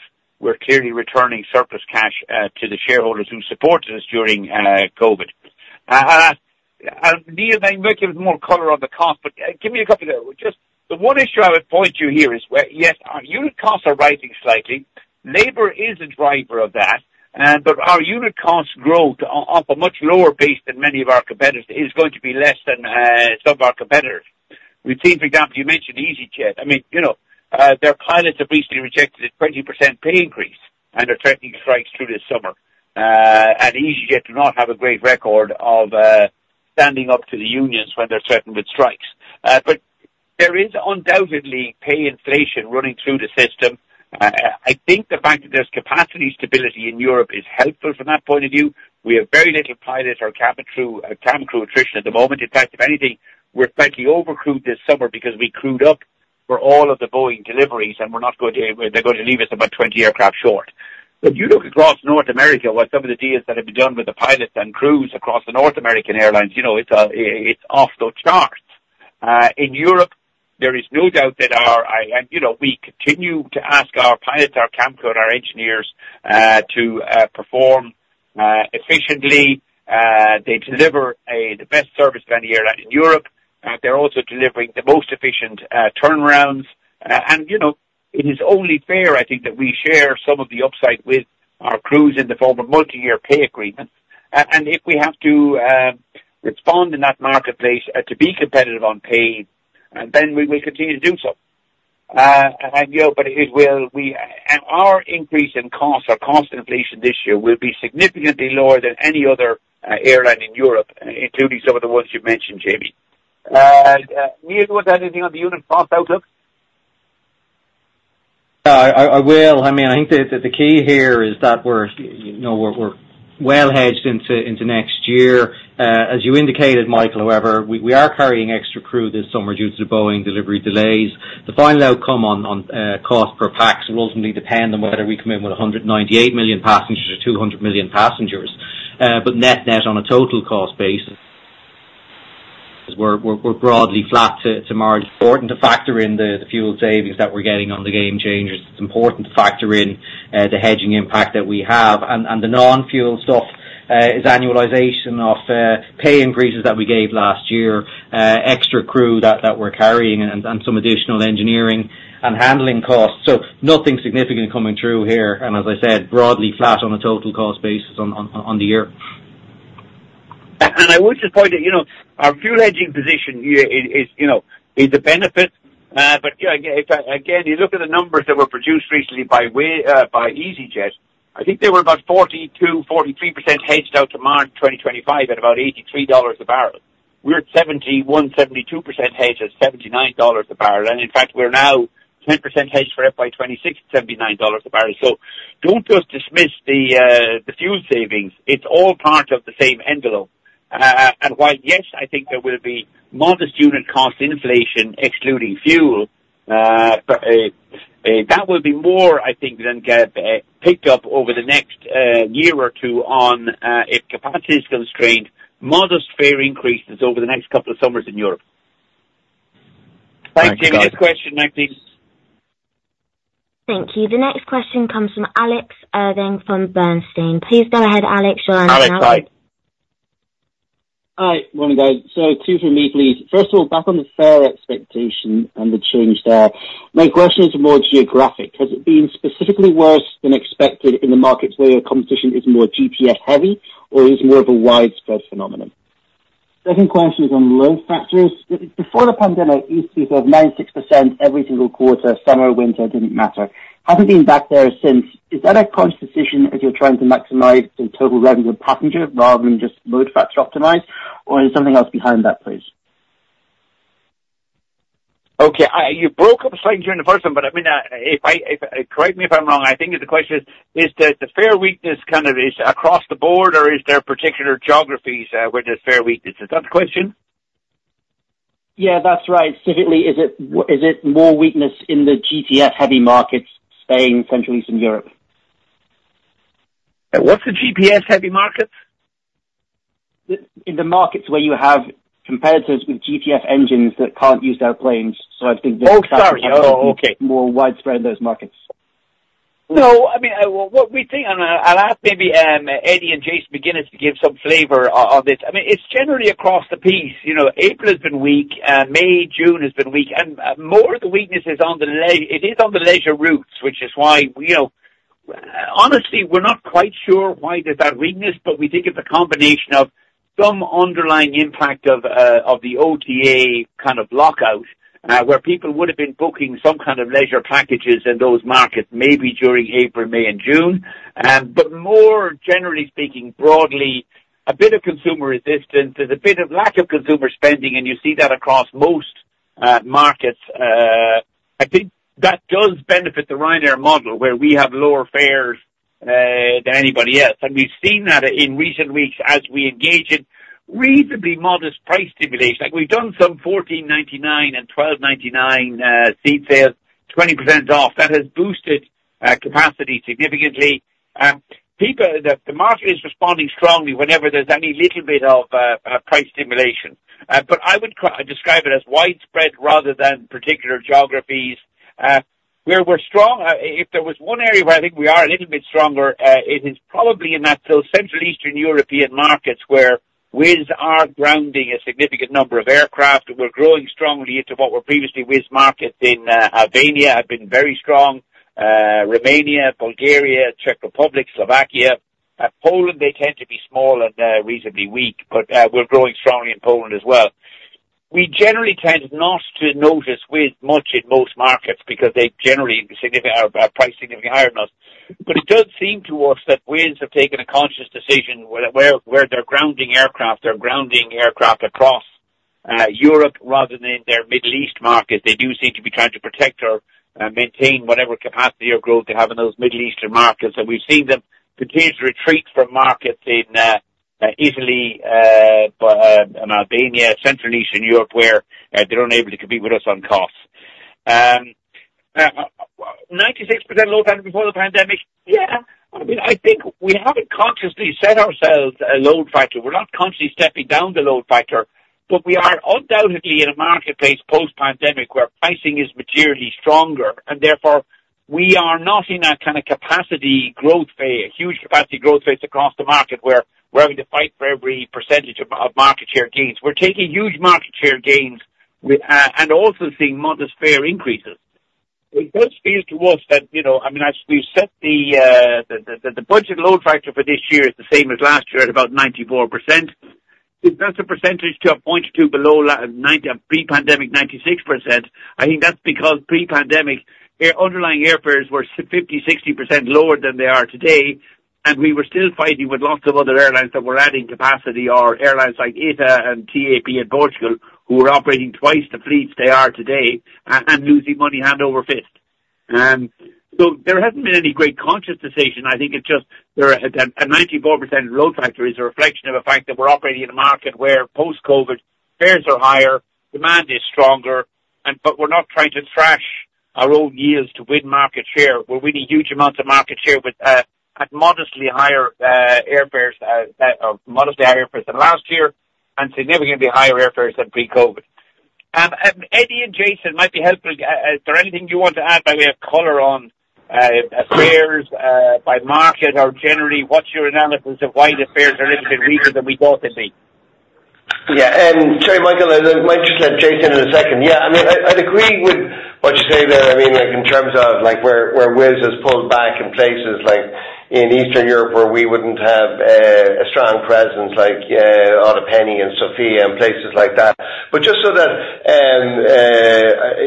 we're clearly returning surplus cash to the shareholders who supported us during COVID. And, Neil, I'm looking at more color on the cost, but give me a couple of those. Just the one issue I would point to here is where yes, our unit costs are rising slightly. Lauda is a driver of that. But our unit costs grow off of a much lower base than many of our competitors. It is going to be less than some of our competitors. We've seen, for example, you mentioned easyJet. I mean, you know, their pilots have recently rejected a 20% pay increase and are threatening strikes through this summer. And easyJet do not have a great record of standing up to the unions when they're threatened with strikes. But there is undoubtedly pay inflation running through the system. I think the fact that there's capacity stability in Europe is helpful from that point of view. We have very little pilots or cabin crew attrition at the moment. In fact, if anything, we're slightly overcrewed this summer because we crewed up for all of the Boeing deliveries, and they're going to leave us about 20 aircraft short. But you look across North America, what some of the deals that have been done with the pilots and crews across the North American airlines, you know, it's off the charts. In Europe, there is no doubt that our people and, you know, we continue to ask our pilots, our cabin crew, and our engineers, to perform efficiently. They deliver the best service planning airline in Europe. They're also delivering the most efficient turnarounds. And, you know, it is only fair, I think, that we share some of the upside with our crews in the form of multi-year pay agreements. and if we have to respond in that marketplace to be competitive on pay, and then we will continue to do so. And, you know, but it will be our increase in costs, our cost inflation this year, will be significantly lower than any other airline in Europe, including some of the ones you've mentioned, Jamie. Neil, do you want to add anything on the unit cost outlook? No, I will. I mean, I think that the key here is that we're, you know, we're well hedged into next year. As you indicated, Michael, however, we are carrying extra crew this summer due to the Boeing delivery delays. The final outcome on cost per packs will ultimately depend on whether we come in with 198 million passengers or 200 million passengers. But net on a total cost basis, we're broadly flat to Marjor. Important to factor in the fuel savings that we're getting on the Gamechangers. It's important to factor in the hedging impact that we have. And the non-fuel stuff is annualization of pay increases that we gave last year, extra crew that we're carrying, and some additional engineering and handling costs. So nothing significant coming through here. And as I said, broadly flat on a total cost basis on the year. And I would just point out, you know, our fuel hedging position, yeah, is, you know, is a benefit. But you know, again, if you look at the numbers that were produced recently by easyJet, I think they were about 42%-43% hedged out to March 2025 at about $83 a barrel. We're at 71%-72% hedged at $79 a barrel. And in fact, we're now 10% hedged for FY26 at $79 a barrel. So don't just dismiss the fuel savings. It's all part of the same envelope. And while, yes, I think there will be modest unit cost inflation excluding fuel, but that will be more, I think, than get picked up over the next year or two on if capacity is constrained, modest fare increases over the next couple of summers in Europe. Thanks, Jamie. Next question, please. Thank you. The next question comes from Alex Irving from Bernstein. Please go ahead, Alex, Irving. Alex, hi. Hi, morning, guys. So two from me, please. First of all, back on the fare expectation and the change there. My question is more geographic. Has it been specifically worse than expected in the markets where your competition is more GDS-heavy, or is it more of a widespread phenomenon? Second question is on load factors. Before the pandemic, you speak of 96% every single quarter, summer, winter, didn't matter. Has it been back there since? Is that a conscious decision as you're trying to maximize the total revenue of passenger rather than just load factor optimize, or is something else behind that, please? Okay. You broke up saying June 1st, but I mean, correct me if I'm wrong. I think the question is, is the fare weakness kind of across the board, or is there particular geographies where there's fare weakness? Is that the question? Yeah, that's right. Specifically, is it more weakness in the GDS-heavy markets staying Central Eastern Europe? What's the GDS-heavy markets? Then in the markets where you have competitors with GTF engines that can't use their planes. So I think there's that. Oh, sorry. Oh, okay. More widespread in those markets. No, I mean, well, what we think and I'll ask maybe Eddie and Jason McGuinness to give some flavor on this. I mean, it's generally across the piece. You know, April has been weak, May, June has been weak. And more of the weakness is on the leisure routes, which is why, you know, honestly, we're not quite sure why there's that weakness, but we think it's a combination of some underlying impact of the OTA kind of lockout, where people would have been booking some kind of leisure packages in those markets maybe during April, May, and June. But more generally speaking, broadly, a bit of consumer resistance. There's a bit of lack of consumer spending, and you see that across most markets. I think that does benefit the Ryanair model where we have lower fares than anybody else. We've seen that, in recent weeks as we engage in reasonably modest price stimulation. Like, we've done some 14.99 and 12.99 seat sales, 20% off. That has boosted capacity significantly. The market is responding strongly whenever there's any little bit of price stimulation. I would describe it as widespread rather than particular geographies. Where we're strong, if there was one area where I think we are a little bit stronger, it is probably in those Central Eastern European markets where Wizz are grounding a significant number of aircraft. We're growing strongly into what were previously Wizz markets in Albania have been very strong, Romania, Bulgaria, Czech Republic, Slovakia. In Poland, they tend to be small and reasonably weak, but we're growing strongly in Poland as well. We generally tend not to notice Wizz much in most markets because they're generally priced significantly higher than us. But it does seem to us that Wizz have taken a conscious decision where they're grounding aircraft, they're grounding aircraft across Europe rather than in their Middle East markets. They do seem to be trying to protect or maintain whatever capacity or growth they have in those Middle Eastern markets. And we've seen them continue to retreat from markets in Italy and Albania, Central Eastern Europe where they're unable to compete with us on costs. 96% load factor before the pandemic? Yeah. I mean, I think we haven't consciously set ourselves a load factor. We're not consciously stepping down the load factor, but we are undoubtedly in a marketplace post-pandemic where pricing is materially stronger. Therefore, we are not in that kind of capacity growth phase, huge capacity growth phase across the market where we're having to fight for every % of market share gains. We're taking huge market share gains and also seeing modest fare increases. It does feel to us that, you know I mean, we've set the budget load factor for this year is the same as last year at about 94%. If that's a % to a point or two below the 96 pre-pandemic 96%, I think that's because pre-pandemic, their underlying airfares were 50%-60% lower than they are today. And we were still fighting with lots of other airlines that were adding capacity or airlines like ITA and TAP in Portugal who were operating twice the fleets they are today and losing money hand over fist. There hasn't been any great conscious decision. I think it's just there are a 94% load factor is a reflection of the fact that we're operating in a market where post-COVID, fares are higher, demand is stronger, and but we're not trying to thrash our own yields to win market share. We're winning huge amounts of market share with, at modestly higher, airfares, that of modestly higher fares than last year and significantly higher airfares than pre-COVID. Eddie and Jason, it might be helpful, is there anything you want to add by way of color on, fares, by market, or generally, what's your analysis of why the fares are a little bit weaker than we thought they'd be? Yeah. Sorry, Michael. I might just let Jason in a second. Yeah, I mean, I'd agree with what you say there. I mean, like, in terms of, like, where Wizz has pulled back in places like in Eastern Europe where we wouldn't have a strong presence like, Budapest and Sofia and places like that. But just so that,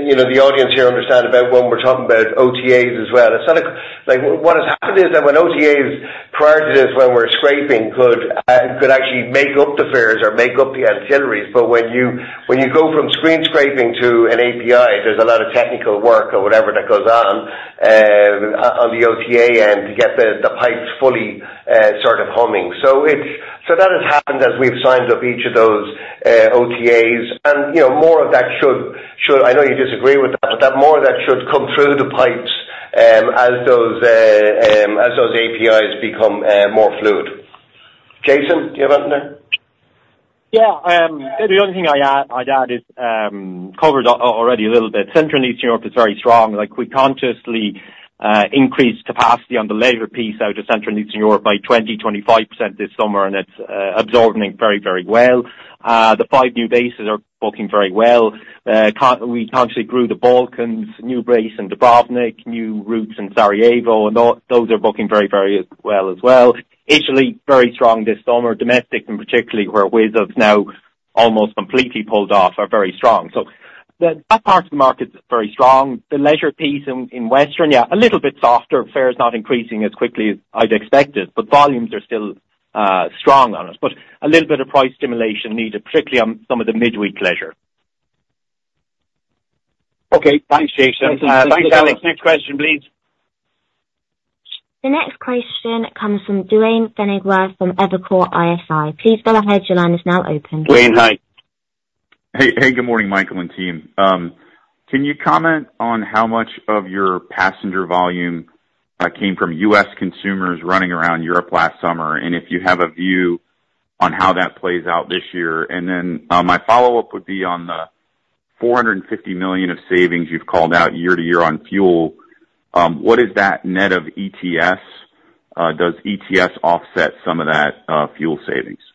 you know, the audience here understand about when we're talking about OTAs as well, it's not like what has happened is that when OTAs, prior to this, when we're scraping, could actually make up the fares or make up the ancillaries. But when you go from screen scraping to an API, there's a lot of technical work or whatever that goes on, on the OTA end to get the pipes fully, sort of humming. So it's that has happened as we've signed up each of those OTAs. And, you know, more of that should. I know you disagree with that, but more of that should come through the pipes, as those APIs become more fluid. Jason, do you have anything there? Yeah. The only thing I'd add is, covered already a little bit. Central Eastern Europe is very strong. Like, we consciously increased capacity on the labor piece out of Central Eastern Europe by 20%-25% this summer, and it's absorbing very, very well. The five new bases are booking very well. We consciously grew the Balkans, new base and Dubrovnik, new routes in Sarajevo, and those are booking very, very well as well. Italy, very strong this summer. Domestic, and particularly where Wizz has now almost completely pulled off, are very strong. So that part of the market's very strong. The leisure piece in Western, yeah, a little bit softer. Fare's not increasing as quickly as I'd expected, but volumes are still strong on us. But a little bit of price stimulation needed, particularly on some of the midweek leisure. Okay. Thanks, Jason. Thank you, Michael. Thanks, Alex. Next question, please. The next question comes from Duane Pfennigwerth from Evercore ISI. Please go ahead. Your line is now open. Duane, hi. Hey, hey, good morning, Michael and team. Can you comment on how much of your passenger volume came from U.S. consumers running around Europe last summer and if you have a view on how that plays out this year? And then, my follow-up would be on the 450 million of savings you've called out year to year on fuel. What is that net of ETS? Does ETS offset some of that fuel savings? Okay.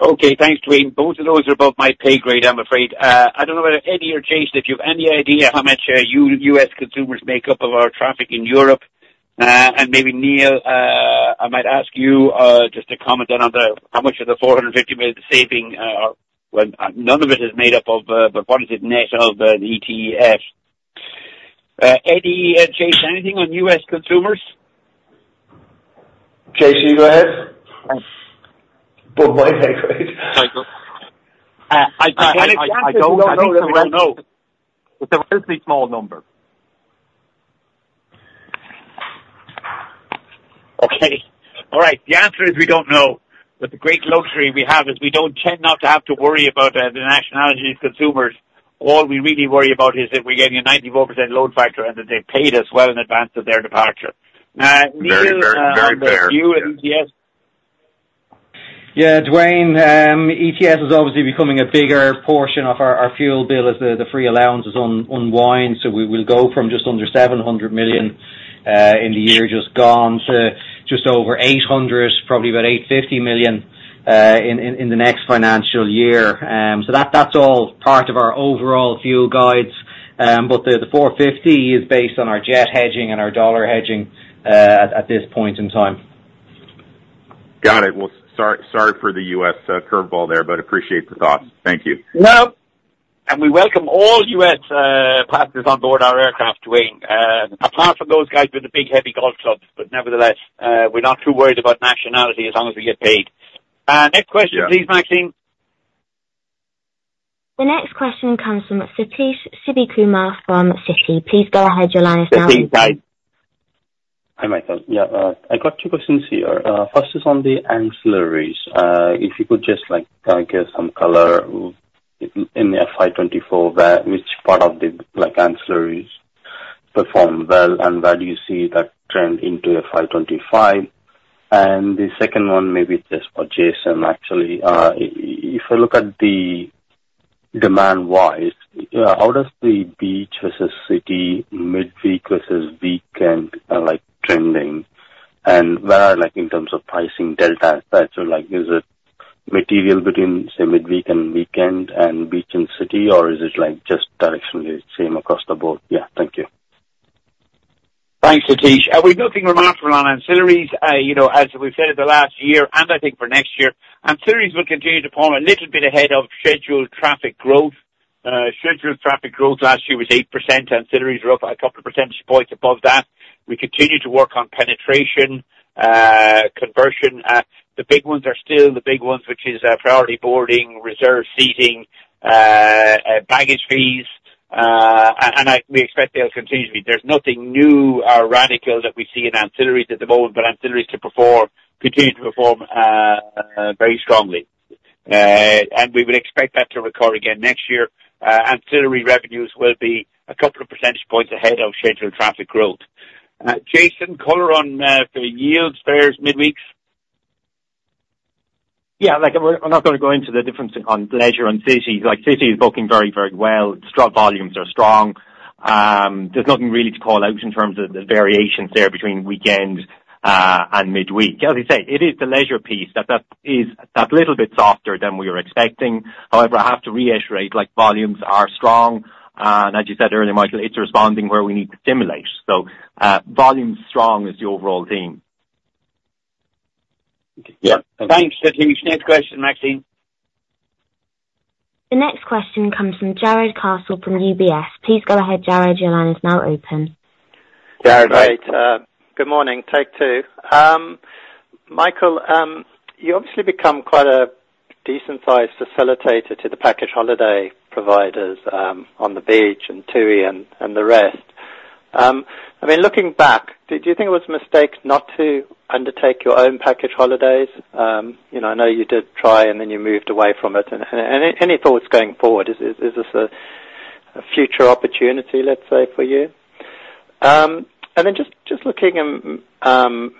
Thanks, Duane. Both of those are above my pay grade, I'm afraid. I don't know whether Eddie or Jason, if you've any idea how much U.S. consumers make up of our traffic in Europe. And maybe, Neil, I might ask you, just to comment then on the how much of the 450 million saving, are well, none of it is made up of, but what is it net of, the ETS? Eddie and Jason, anything on U.S. consumers? Jason, you go ahead. Beyond my pay grade. Thank you. Alex, the answer is we don't know. I don't know. It's a relatively small number. Okay. All right. The answer is we don't know. But the great luxury we have is we don't tend not to have to worry about the nationalities of consumers. All we really worry about is that we're getting a 94% load factor and that they paid us well in advance of their departure. Neil. Very, very, very fair. but you and ETS? Yeah, Duane. ETS is obviously becoming a bigger portion of our fuel bill as the free allowance is unwinding. So we will go from just under 700 million in the year just gone to just over 800 million, probably about 850 million, in the next financial year. So that's all part of our overall fuel guides. But the 450 is based on our jet hedging and our dollar hedging, at this point in time. Got it. Well, sorry, sorry for the U.S., curveball there, but appreciate the thoughts. Thank you. Nope. We welcome all U.S. passengers on board our aircraft, Duane, apart from those guys with the big heavy golf clubs. But nevertheless, we're not too worried about nationality as long as we get paid. Next question, please, Maxine. The next question comes from Sathish Sivakumar from Citi. Please go ahead. Your line is now open. Sathish, hi. Hi, Michael. Yeah, I got two questions here. First is on the ancillaries. If you could just, like, give some color within the FY24, where which part of the, like, ancillaries perform well and where do you see that trend into FY25? And the second one maybe just for Jason, actually. If I look at the demand-wise, how does the beach vs city, midweek vs weekend, like, trending? And where are, like, in terms of pricing, delta and such? So, like, is it material between, say, midweek and weekend and beach and city, or is it, like, just directionally same across the board? Yeah, thank you. Thanks, Sathish. We've not been remarkable on ancillaries. You know, as we've said in the last year and I think for next year, ancillaries will continue to form a little bit ahead of scheduled traffic growth. Scheduled traffic growth last year was 8%. Ancillaries were up a couple of % points above that. We continue to work on penetration, conversion. The big ones are still the big ones, which is priority boarding, reserved seating, baggage fees. And we expect they'll continue to be. There's nothing new or radical that we see in ancillaries at the moment, but ancillaries to perform continue to perform very strongly. We would expect that to recur again next year. Ancillary revenues will be a couple of % points ahead of scheduled traffic growth. Jason, color on for yields, fares, midweeks? Yeah. Like, we're not gonna go into the difference in on leisure and city. Like, city is booking very, very well. Strong volumes are strong. There's nothing really to call out in terms of the variations there between weekend and midweek. As I say, it is the leisure piece that is that little bit softer than we were expecting. However, I have to reiterate, like, volumes are strong. And as you said earlier, Michael, it's responding where we need to stimulate. So, volumes strong is the overall theme. Okay. Yeah. Thank you. Thanks, Sathish. Next question, Maxine. The next question comes from Jarrod Castle from UBS. Please go ahead, Jarrod. Your line is now open. Jarrod, right. Good morning. Take two. Michael, you obviously become quite a decent-sized facilitator to the package holiday providers, On the Beach and TUI and, and the rest. I mean, looking back, did you think it was a mistake not to undertake your own package holidays? You know, I know you did try, and then you moved away from it. And, and, and any, any thoughts going forward? Is, is, is this a, a future opportunity, let's say, for you? And then just, just looking in,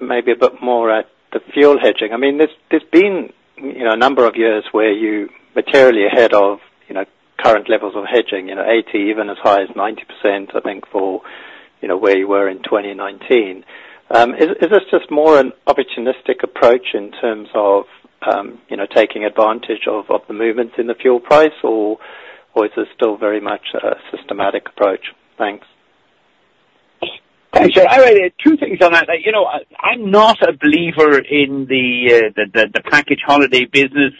maybe a bit more at the fuel hedging. I mean, there's, there's been, you know, a number of years where you materially ahead of, you know, current levels of hedging, you know, 80%, even as high as 90%, I think, for, you know, where you were in 2019. is this just more an opportunistic approach in terms of, you know, taking advantage of the movements in the fuel price, or is this still very much a systematic approach? Thanks. Thanks, Jared. I really had two things on that. Like, you know, I'm not a believer in the package holiday business.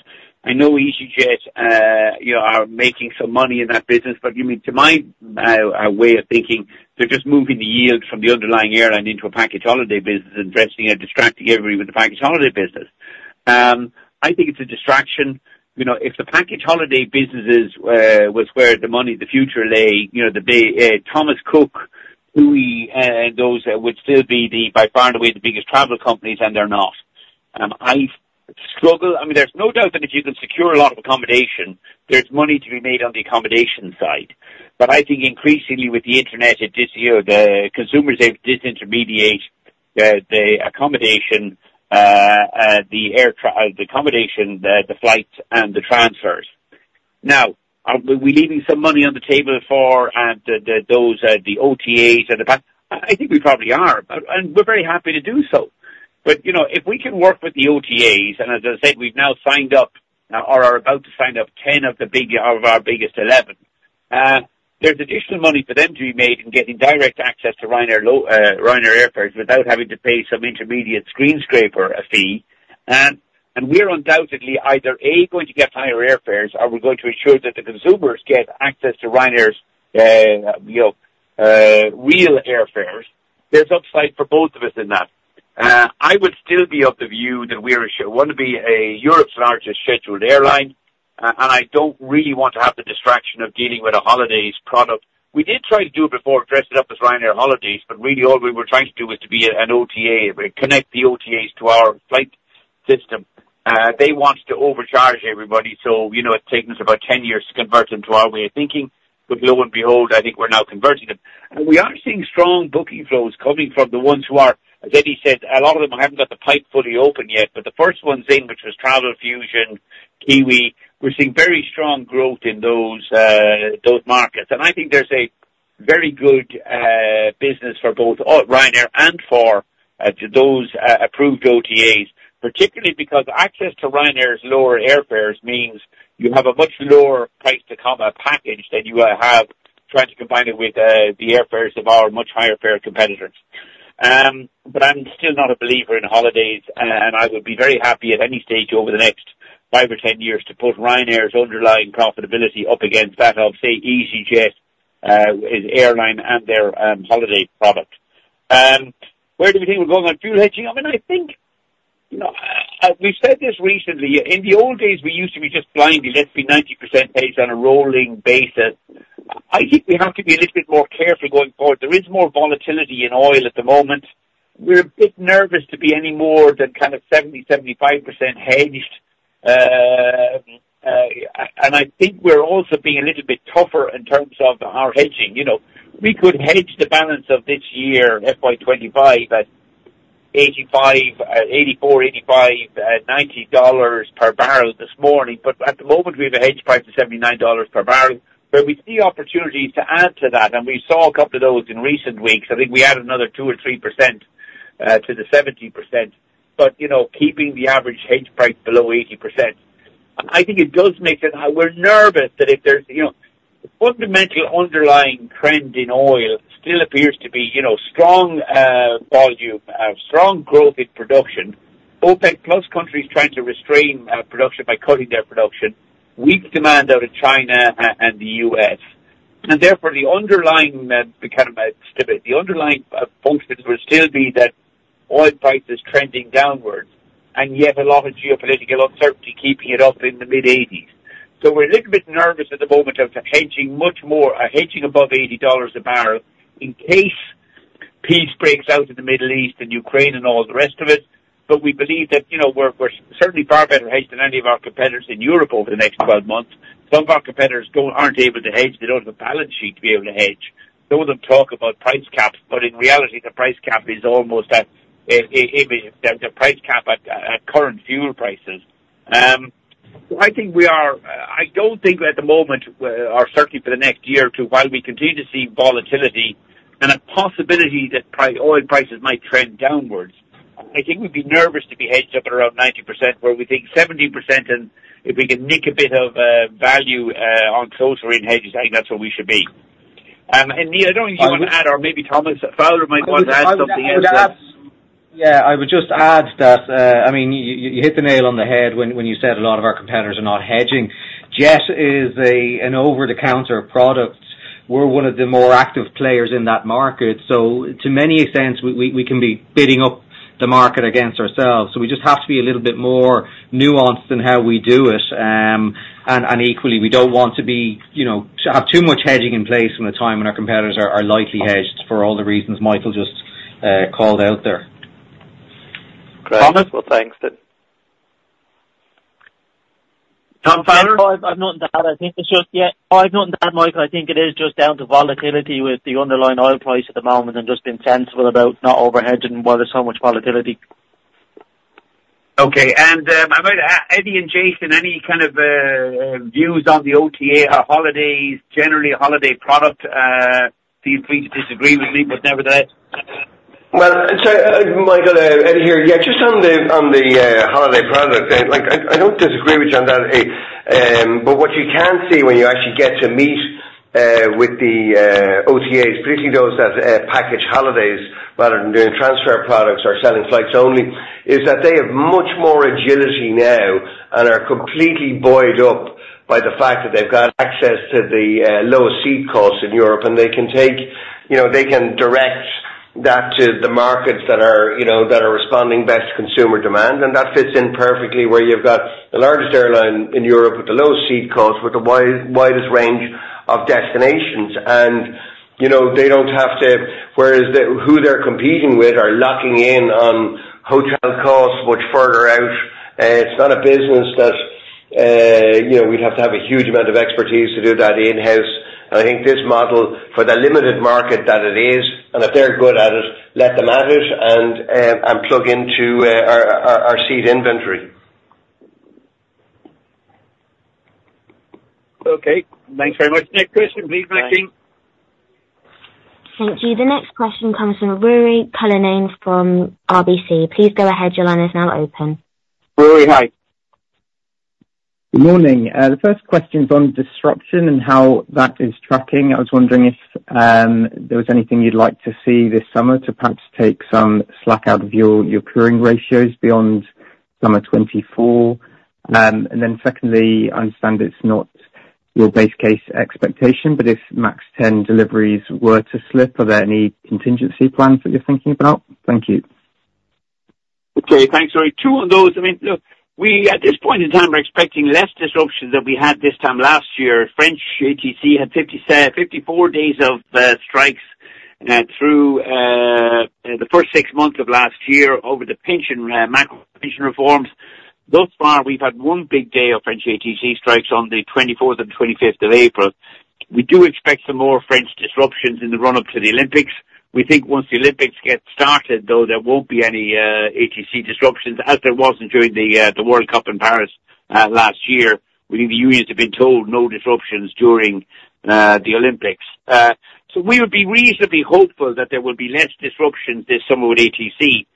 I know easyJet, you know, are making some money in that business. But, I mean, to my way of thinking, they're just moving the yield from the underlying airline into a package holiday business and dressing and distracting everybody with the package holiday business. I think it's a distraction. You know, if the package holiday business was where the money, the future lay, you know, the bankrupt Thomas Cook, TUI, and those would still be by far and away the biggest travel companies, and they're not. I struggle. I mean, there's no doubt that if you can secure a lot of accommodation, there's money to be made on the accommodation side. But I think increasingly, with the internet in this year, the consumers have disintermediated the accommodation, the air travel, the flights, and the transfers. Now, are we leaving some money on the table for the OTAs and the packagers? I think we probably are, but and we're very happy to do so. But, you know, if we can work with the OTAs and, as I said, we've now signed up, or are about to sign up 10 of our biggest 11, there's additional money for them to be made in getting direct access to Ryanair's low airfares without having to pay some intermediate screen scraper a fee. And we're undoubtedly either A, going to get higher airfares, or we're going to ensure that the consumers get access to Ryanair's, you know, real airfares. There's upside for both of us in that. I would still be of the view that we still want to be Europe's largest scheduled airline. I don't really want to have the distraction of dealing with a holidays product. We did try to do it before, dress it up as Ryanair holidays, but really, all we were trying to do was to be an OTA, connect the OTAs to our flight system. They want to overcharge everybody, so, you know, it's taken us about 10 years to convert them to our way of thinking. But lo and behold, I think we're now converting them. And we are seeing strong booking flows coming from the ones who are, as Eddie said, a lot of them haven't got the pipe fully open yet. But the first ones in, which was Travelfusion, Kiwi, we're seeing very strong growth in those, those markets. And I think there's a very good business for both Ryanair and for those approved OTAs, particularly because access to Ryanair's lower airfares means you have a much lower price to come package than you will have trying to combine it with the airfares of our much higher fare competitors. But I'm still not a believer in holidays, and I would be very happy at any stage over the next 5 or 10 years to put Ryanair's underlying profitability up against that of, say, easyJet, as airline and their holiday product. Where do we think we're going on fuel hedging? I mean, I think, you know, we've said this recently. In the old days, we used to be just blindly let's be 90% based on a rolling basis. I think we have to be a little bit more careful going forward. There is more volatility in oil at the moment. We're a bit nervous to be any more than kind of 70%-75% hedged, and I think we're also being a little bit tougher in terms of our hedging. You know, we could hedge the balance of this year, FY25, at 85, 84, 85, $90 per barrel this morning. But at the moment, we have a hedge price of $79 per barrel, where we see opportunities to add to that. And we saw a couple of those in recent weeks. I think we added another 2%-3%, to the 70%, but, you know, keeping the average hedge price below $80. I think it does make sense how we're nervous that if there's, you know, fundamental underlying trend in oil still appears to be, you know, strong volume, strong growth in production, OPEC+ countries trying to restrain production by cutting their production, weak demand out of China and the U.S. And therefore, the underlying, the kind of stripped underlying function would still be that oil price is trending downwards and yet a lot of geopolitical uncertainty keeping it up in the mid-80s. So we're a little bit nervous at the moment of hedging much more, hedging above $80 a barrel in case peace breaks out in the Middle East and Ukraine and all the rest of it. But we believe that, you know, we're certainly far better hedged than any of our competitors in Europe over the next 12 months. Some of our competitors don't have a balance sheet to be able to hedge. Some of them talk about price caps, but in reality, the price cap is almost an imagine the price cap at current fuel prices. So I think we are. I don't think at the moment, or certainly for the next year or two, while we continue to see volatility and a possibility that oil prices might trend downwards, I think we'd be nervous to be hedged up at around 90%, where we think 70% and if we can nick a bit of value on closer in hedges, I think that's where we should be. And Neil, I don't know if you want to add or maybe Thomas Fowler might want to add something else. Yeah, I would just add that. I mean, you hit the nail on the head when you said a lot of our competitors are not hedging. Jet is an over-the-counter product. We're one of the more active players in that market. So to many extents, we can be bidding up the market against ourselves. So we just have to be a little bit more nuanced in how we do it. And equally, we don't want to be, you know, have too much hedging in place from the time when our competitors are lightly hedged for all the reasons Michael just called out there. Great. Thanks. Well, thanks, Sathish. Tom Fowler? Oh, I've not done that, Michael. I think it is just down to volatility with the underlying oil price at the moment and just being sensible about not overhedging while there's so much volatility. Okay. I might ask Eddie and Jason any kind of views on the OTA holidays, generally, holiday product? Feel free to disagree with me, but nevertheless. Well, sorry, Michael, Eddie here. Yeah, just on the holiday product, like, I don't disagree with you on that, Eddie. But what you can see when you actually get to meet with the OTAs, particularly those that package holidays rather than doing transfer products or selling flights only, is that they have much more agility now and are completely buoyed up by the fact that they've got access to the lowest seat costs in Europe. And they can take you know, they can direct that to the markets that are, you know, that are responding best to consumer demand. And that fits in perfectly where you've got the largest airline in Europe with the lowest seat costs with the widest, widest range of destinations. And, you know, they don't have to whereas the who they're competing with are locking in on hotel costs much further out. It's not a business that, you know, we'd have to have a huge amount of expertise to do that in-house. I think this model, for the limited market that it is and if they're good at it, let them at it and plug into our seat inventory. Okay. Thanks very much. Next question, please, Maxine. Thank you. The next question comes from Ruairi Cullinane from RBC. Please go ahead. Your line is now open. Ruairi, hi. Good morning. The first question's on disruption and how that is tracking. I was wondering if there was anything you'd like to see this summer to perhaps take some slack out of your courier ratios beyond summer 2024. And then secondly, I understand it's not your base case expectation, but if MAX 10 deliveries were to slip, are there any contingency plans that you're thinking about? Thank you. Okay. Thanks, Ruairi. Two on those. I mean, look, we at this point in time, we're expecting less disruption than we had this time last year. French ATC had 50-54 days of strikes through the first six months of last year over the pension Macron's pension reforms. Thus far, we've had one big day of French ATC strikes on the 24th and 25th of April. We do expect some more French disruptions in the run-up to the Olympics. We think once the Olympics get started, though, there won't be any ATC disruptions as there wasn't during the World Cup in Paris last year. We think the unions have been told no disruptions during the Olympics. So we would be reasonably hopeful that there will be less disruptions this summer with ATC.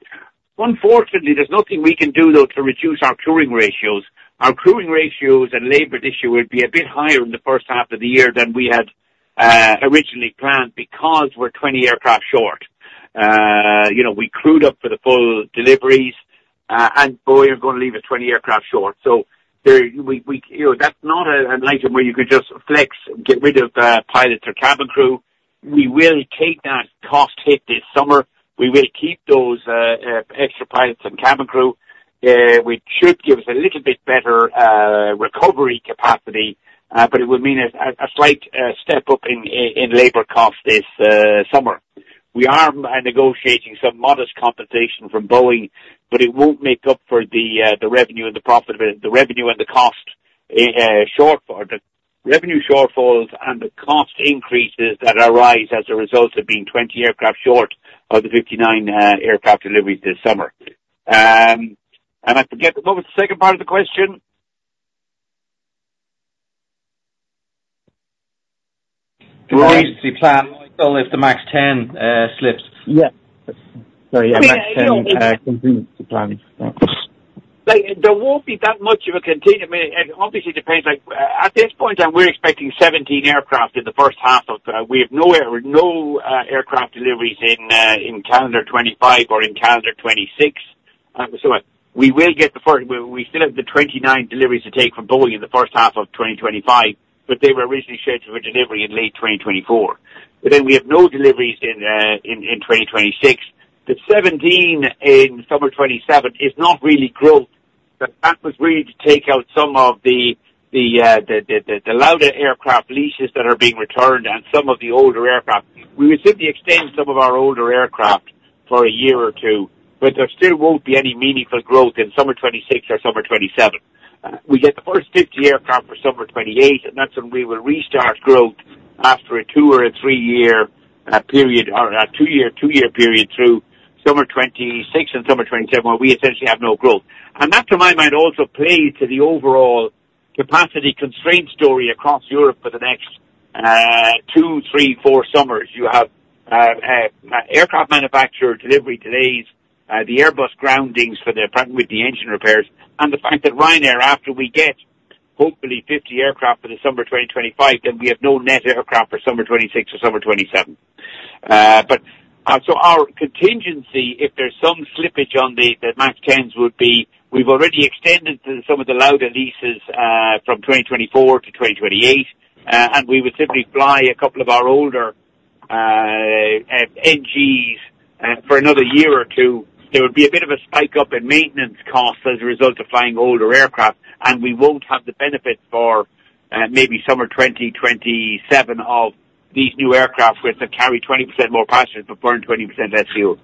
Unfortunately, there's nothing we can do, though, to reduce our crew ratios. Our crew ratios and labor issue would be a bit higher in the first half of the year than we had originally planned because we're 20 aircraft short. You know, we crewed up for the full deliveries, and boy, you're going to leave us 20 aircraft short. So, you know, that's not an item where you could just flex and get rid of pilots or cabin crew. We will take that cost hit this summer. We will keep those extra pilots and cabin crew, which should give us a little bit better recovery capacity, but it will mean a slight step up in labor costs this summer. We are negotiating some modest compensation from Boeing, but it won't make up for the revenue and the profit, the revenue and the cost shortfall, the revenue shortfalls and the cost increases that arise as a result of being 20 aircraft short of the 59 aircraft deliveries this summer. And I forget what was the second part of the question? What are your plans, Michael, if the MAX 10 slips? Yeah. Sorry. MAX 10, contingency plans. Yeah. There won't be that much of a contingency, I mean, it obviously depends. Like, at this point in time, we're expecting 17 aircraft in the first half of. We have no aircraft deliveries in calendar 2025 or in calendar 2026. So we will get the first. We still have the 29 deliveries to take from Boeing in the first half of 2025, but they were originally scheduled for delivery in late 2024. But then we have no deliveries in 2026. The 17 in summer 2027 is not really growth. That was really to take out some of the Lauda aircraft leases that are being returned and some of the older aircraft. We would simply extend some of our older aircraft for a year or two, but there still won't be any meaningful growth in summer 2026 or summer 2027. We get the first 50 aircraft for summer 2028, and that's when we will restart growth after a two or a three-year period or a two-year, two-year period through summer 2026 and summer 2027 where we essentially have no growth. And that, to my mind, also plays to the overall capacity constraint story across Europe for the next two, three, four summers. You have aircraft manufacturer delivery delays, the Airbus groundings for the apparently with the engine repairs, and the fact that Ryanair, after we get hopefully 50 aircraft for the summer 2025, then we have no net aircraft for summer 2026 or summer 2027. Our contingency, if there's some slippage on the MAX 10s, would be we've already extended some of the Lauda leases from 2024 to 2028, and we would simply fly a couple of our older NGs for another year or two. There would be a bit of a spike up in maintenance costs as a result of flying older aircraft, and we won't have the benefits for, maybe, summer 2027 of these new aircraft which have carried 20% more passengers but burned 20% less fuel.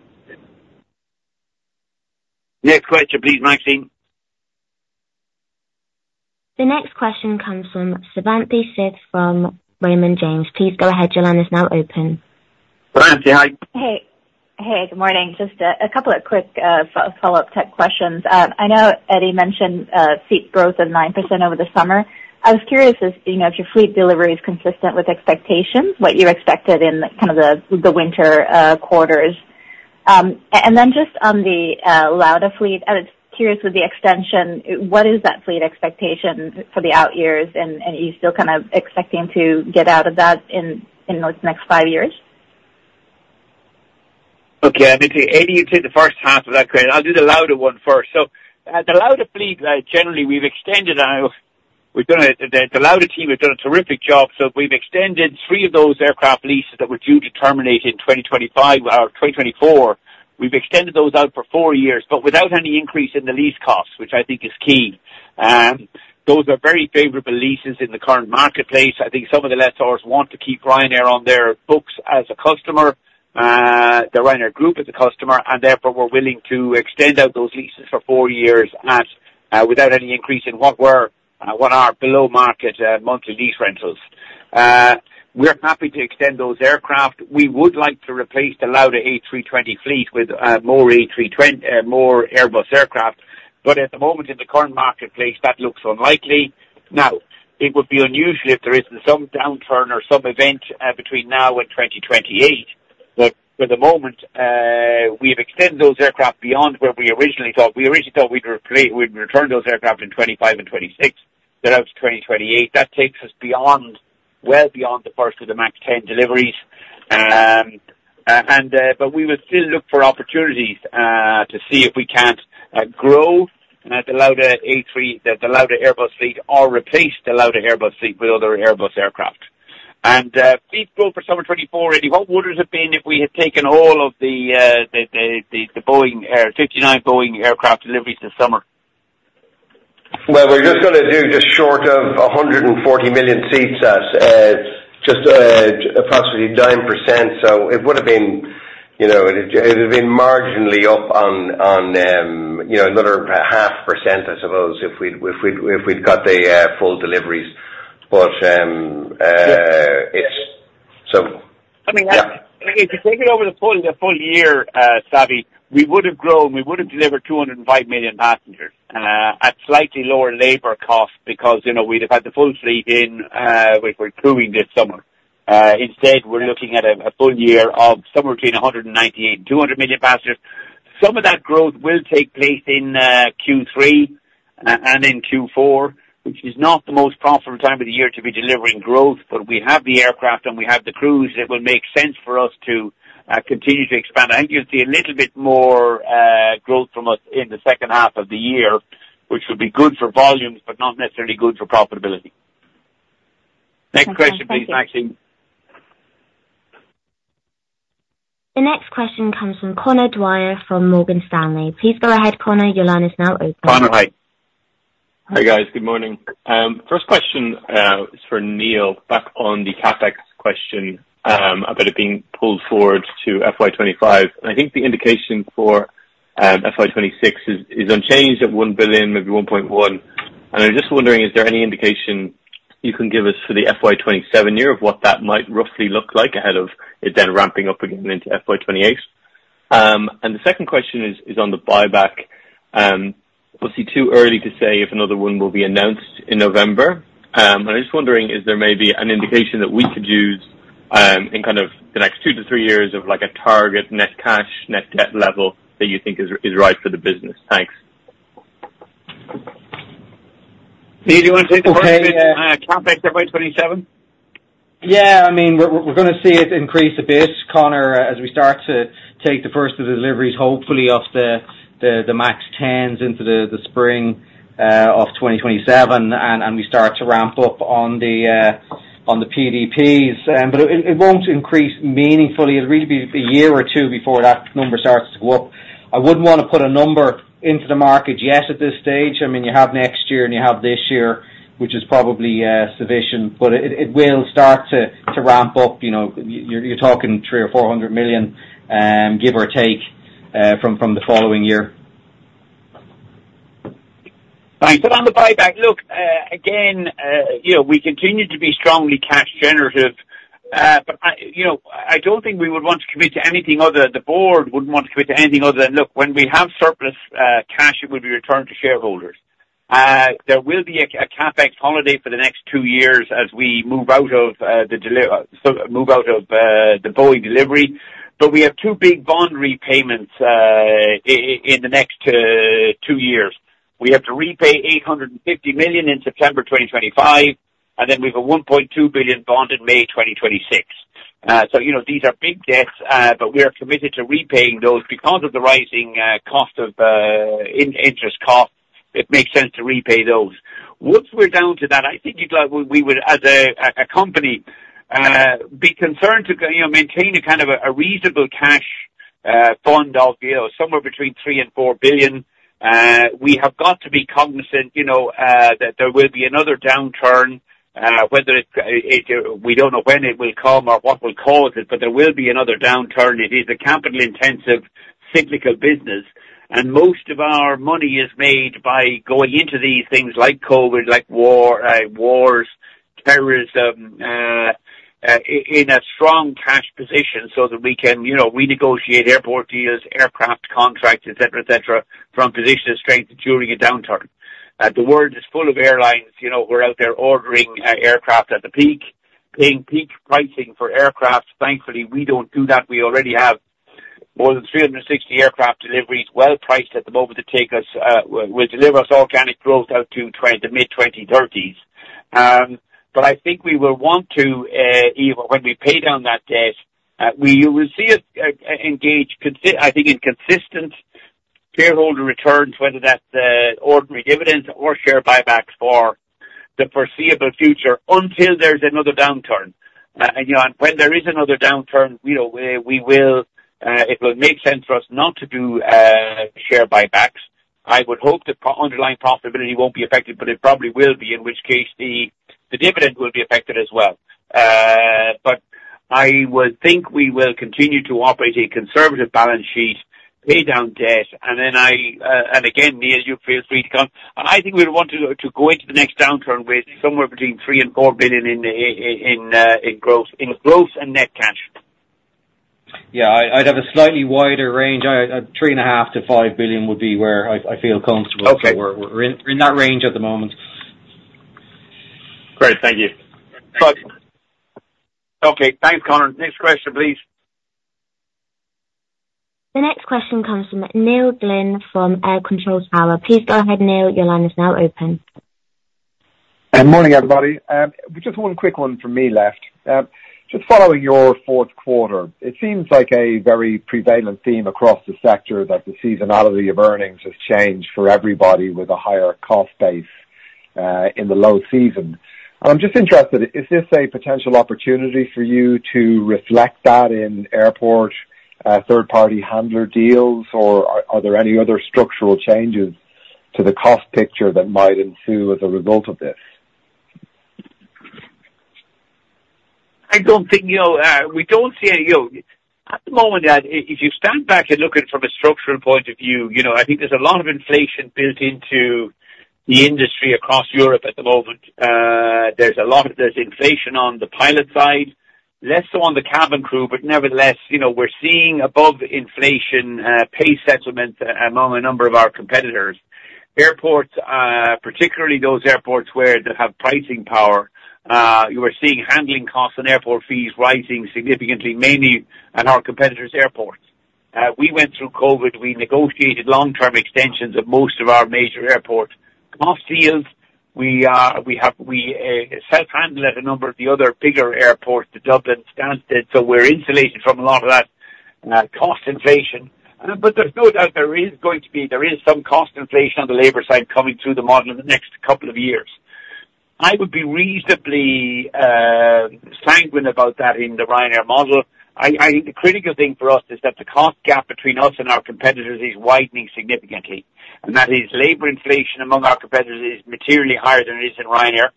Next question, please, Maxine. The next question comes from Savanthi Syth from Raymond James. Please go ahead. Your line is now open. Savanthi, hi. Hey. Hey. Good morning. Just a couple of quick follow-up tech questions. I know Eddie mentioned seat growth of 9% over the summer. I was curious, you know, if your fleet delivery is consistent with expectations, what you expected in kind of the winter quarters. And then just on the Lauda fleet, I was curious with the extension, what is that fleet expectation for the out years, and are you still kind of expecting to get out of that in the next five years? Okay. I mean, to Eddie, you took the first half of that question. I'll do the Lauda one first. So, the Lauda fleet, generally, we've extended our... the Lauda team, they've done a terrific job. So we've extended three of those aircraft leases that were due to terminate in 2025 or 2024. We've extended those out for four years but without any increase in the lease costs, which I think is key. Those are very favorable leases in the current marketplace. I think some of the lessors want to keep Ryanair on their books as a customer. The Ryanair Group is a customer, and therefore, we're willing to extend out those leases for four years at, without any increase in what were, what are below-market, monthly lease rentals. We're happy to extend those aircraft. We would like to replace the Lauda A320 fleet with more A320 more Airbus aircraft. But at the moment, in the current marketplace, that looks unlikely. Now, it would be unusual if there isn't some downturn or some event between now and 2028. But for the moment, we've extended those aircraft beyond where we originally thought. We originally thought we'd return those aircraft in 2025 and 2026. They're out to 2028. That takes us beyond well beyond the first of the MAX 10 deliveries. But we would still look for opportunities to see if we can't grow the Lauda A320 the Lauda Airbus fleet or replace the Lauda Airbus fleet with other Airbus aircraft. Fleet growth for summer 2024, Eddie, what would it have been if we had taken all of the 59 Boeing aircraft deliveries this summer? Well, we're just going to do just short of 140 million seats, just, approximately 9%. So it would have been, you know, it would have been marginally up on, on, you know, another 0.5%, I suppose, if we'd if we'd if we'd got the full deliveries. But, it's so. Yeah. I mean, if you take it over the full year, Savanthi, we would have grown. We would have delivered 205 million passengers, at slightly lower labor costs because, you know, we'd have had the full fleet in, which we're crewing this summer. Instead, we're looking at a full year of somewhere between 198-200 million passengers. Some of that growth will take place in Q3 and in Q4, which is not the most profitable time of the year to be delivering growth. But we have the aircraft, and we have the crews. It will make sense for us to continue to expand. I think you'll see a little bit more growth from us in the second half of the year, which would be good for volumes but not necessarily good for profitability. Next question, please, Maxine. The next question comes from Conor Dwyer from Morgan Stanley. Please go ahead, Conor. Your line is now open. Conor, hi. Hi guys. Good morning. First question is for Neil back on the CapEx question, about it being pulled forward to FY25. I think the indication for FY26 is unchanged at 1 billion, maybe 1.1 billion. I'm just wondering, is there any indication you can give us for the FY27 year of what that might roughly look like ahead of it then ramping up again into FY28? The second question is on the buyback. Obviously, too early to say if another one will be announced in November. I'm just wondering, is there maybe an indication that we could use, in kind of the next two to three years of, like, a target net cash, net debt level that you think is right for the business? Thanks. Neil, do you want to take the question? Okay. CapEx FY 2027? Yeah. I mean, we're going to see it increase a bit, Connor, as we start to take the first of the deliveries, hopefully, off the max 10s into the spring of 2027, and we start to ramp up on the PDPs. But it won't increase meaningfully. It'll really be a year or two before that number starts to go up. I wouldn't want to put a number into the market yet at this stage. I mean, you have next year, and you have this year, which is probably sufficient. But it will start to ramp up. You know, you're talking 300 million or 400 million, give or take, from the following year. Thanks. And on the buyback, look, again, you know, we continue to be strongly cash-generative. But I, you know, I don't think we would want to commit to anything other than the board wouldn't want to commit to anything other than, look, when we have surplus cash, it will be returned to shareholders. There will be a CapEx holiday for the next two years as we move out of the delivery so move out of the Boeing delivery. But we have two big bond repayments in the next two years. We have to repay 850 million in September 2025, and then we have a 1.2 billion bond in May 2026. So, you know, these are big debts, but we are committed to repaying those because of the rising cost of interest costs. It makes sense to repay those. Once we're down to that, I think we would, as a company, be concerned to, you know, maintain a kind of a reasonable cash fund of, you know, somewhere between 3 billion and 4 billion. We have got to be cognizant, you know, that there will be another downturn, whether it we don't know when it will come or what will cause it, but there will be another downturn. It is a capital-intensive, cyclical business. And most of our money is made by going into these things like COVID, like war, wars, terrorism, in a strong cash position so that we can, you know, renegotiate airport deals, aircraft contracts, etc., etc., from position of strength during a downturn. The world is full of airlines, you know, who are out there ordering aircraft at the peak, paying peak pricing for aircraft. Thankfully, we don't do that. We already have more than 360 aircraft deliveries well priced at the moment to take us; will deliver us organic growth out to the mid-2030s. But I think we will want to, when we pay down that debt, you will see us engage consistently, I think, in consistent shareholder returns, whether that's ordinary dividends or share buybacks for the foreseeable future until there's another downturn. And, you know, and when there is another downturn, you know, we will; it will make sense for us not to do share buybacks. I would hope the our underlying profitability won't be affected, but it probably will be, in which case the dividend will be affected as well. But I would think we will continue to operate a conservative balance sheet, pay down debt, and then, and again, Neil, you feel free to come. I think we would want to go into the next downturn with somewhere between 3 billion and 4 billion in gross and net cash. Yeah. I'd have a slightly wider range. 3.5 billion-5 billion would be where I feel comfortable. So we're in that range at the moment. Great. Thank you. But okay. Thanks, Conor. Next question, please. The next question comes from Neil Glynn from AIR Control Tower. Please go ahead, Neil. Your line is now open. Good morning, everybody. Just one quick one from me left. Just following your fourth quarter, it seems like a very prevalent theme across the sector that the seasonality of earnings has changed for everybody with a higher cost base in the low season. I'm just interested, is this a potential opportunity for you to reflect that in airport, third-party handler deals, or are there any other structural changes to the cost picture that might ensue as a result of this? I don't think, you know, we don't see any you know, at the moment, if you stand back and look at it from a structural point of view, you know, I think there's a lot of inflation built into the industry across Europe at the moment. There's a lot of inflation on the pilot side, less so on the cabin crew. But nevertheless, you know, we're seeing above-inflation pay settlements among a number of our competitors. Airports, particularly those airports where they have pricing power, you are seeing handling costs and airport fees rising significantly, mainly at our competitors' airports. We went through COVID. We negotiated long-term extensions of most of our major airport cost deals. We self-handled at a number of the other bigger airports, the Dublin, Stansted. So we're insulated from a lot of that cost inflation. But there's no doubt there is going to be there is some cost inflation on the labor side coming through the model in the next couple of years. I would be reasonably sanguine about that in the Ryanair model. I, I think the critical thing for us is that the cost gap between us and our competitors is widening significantly, and that is labor inflation among our competitors is materially higher than it is in Ryanair.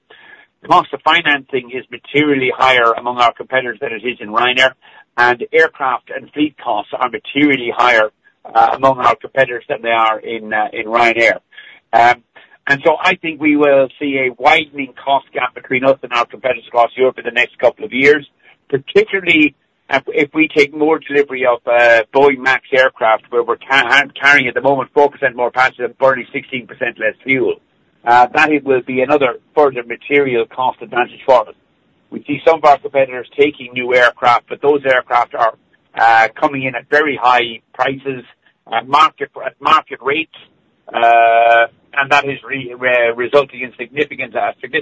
Cost of financing is materially higher among our competitors than it is in Ryanair. And aircraft and fleet costs are materially higher among our competitors than they are in, in Ryanair. And so I think we will see a widening cost gap between us and our competitors across Europe in the next couple of years, particularly if we take more delivery of Boeing MAX aircraft where we're carrying at the moment 4% more passengers and burning 16% less fuel. That it will be another further material cost advantage for us. We see some of our competitors taking new aircraft, but those aircraft are coming in at very high prices, market at market rates. And that is resulting in significant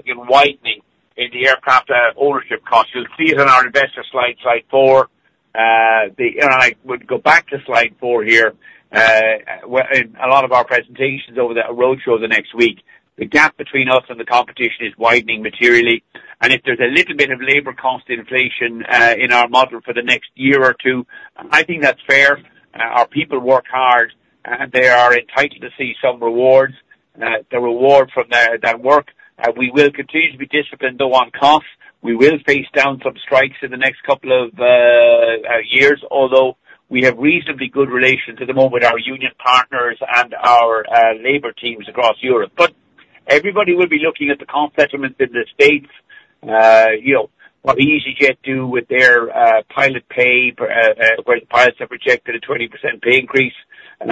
widening in the aircraft ownership costs. You'll see it on our investor slide four. And I would go back to slide four here, in a lot of our presentations over the roadshow the next week. The gap between us and the competition is widening materially. And if there's a little bit of labor cost inflation, in our model for the next year or two, I think that's fair. Our people work hard, and they are entitled to see some rewards, the reward from their, their work. We will continue to be disciplined, though, on costs. We will face down some strikes in the next couple of years, although we have reasonably good relations at the moment with our union partners and our labor teams across Europe. But everybody will be looking at the cost settlements in the States, you know, what easyJet do with their pilot pay pact where the pilots have rejected a 20% pay increase. And,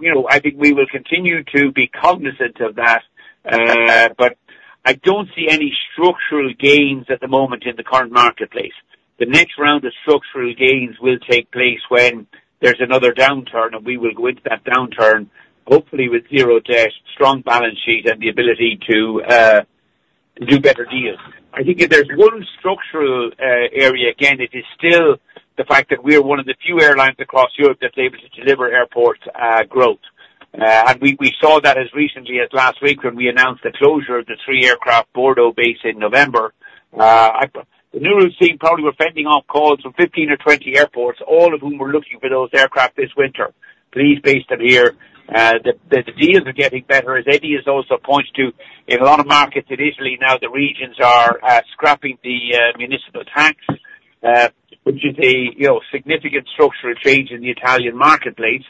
you know, I think we will continue to be cognizant of that. But I don't see any structural gains at the moment in the current marketplace. The next round of structural gains will take place when there's another downturn, and we will go into that downturn, hopefully, with zero debt, strong balance sheet, and the ability to do better deals. I think if there's one structural area, again, it is still the fact that we are one of the few airlines across Europe that's able to deliver airport growth, and we saw that as recently as last week when we announced the closure of the three-aircraft Bordeaux base in November. In the interim, probably we're fending off calls from 15 or 20 airports, all of whom were looking for those aircraft this winter. Please base them here. The deals are getting better, as Eddie has also pointed to. In a lot of markets in Italy now, the regions are scrapping the municipal tax, which is, you know, a significant structural change in the Italian marketplace.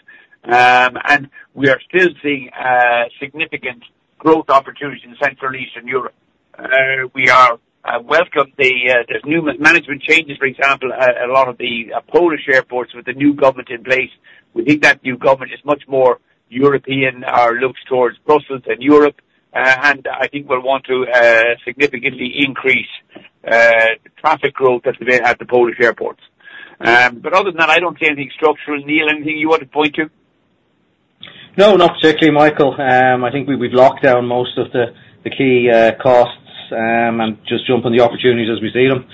And we are still seeing significant growth opportunities in Central and Eastern Europe. We welcome the new management changes, for example, at a lot of the Polish airports with the new government in place. We think that new government is much more European or looks towards Brussels and Europe. And I think we'll want to significantly increase traffic growth that we may have at the Polish airports. But other than that, I don't see anything structural, Neil. Anything you want to point to? No, not particularly, Michael. I think we've locked down most of the key costs, and just jump on the opportunities as we see them.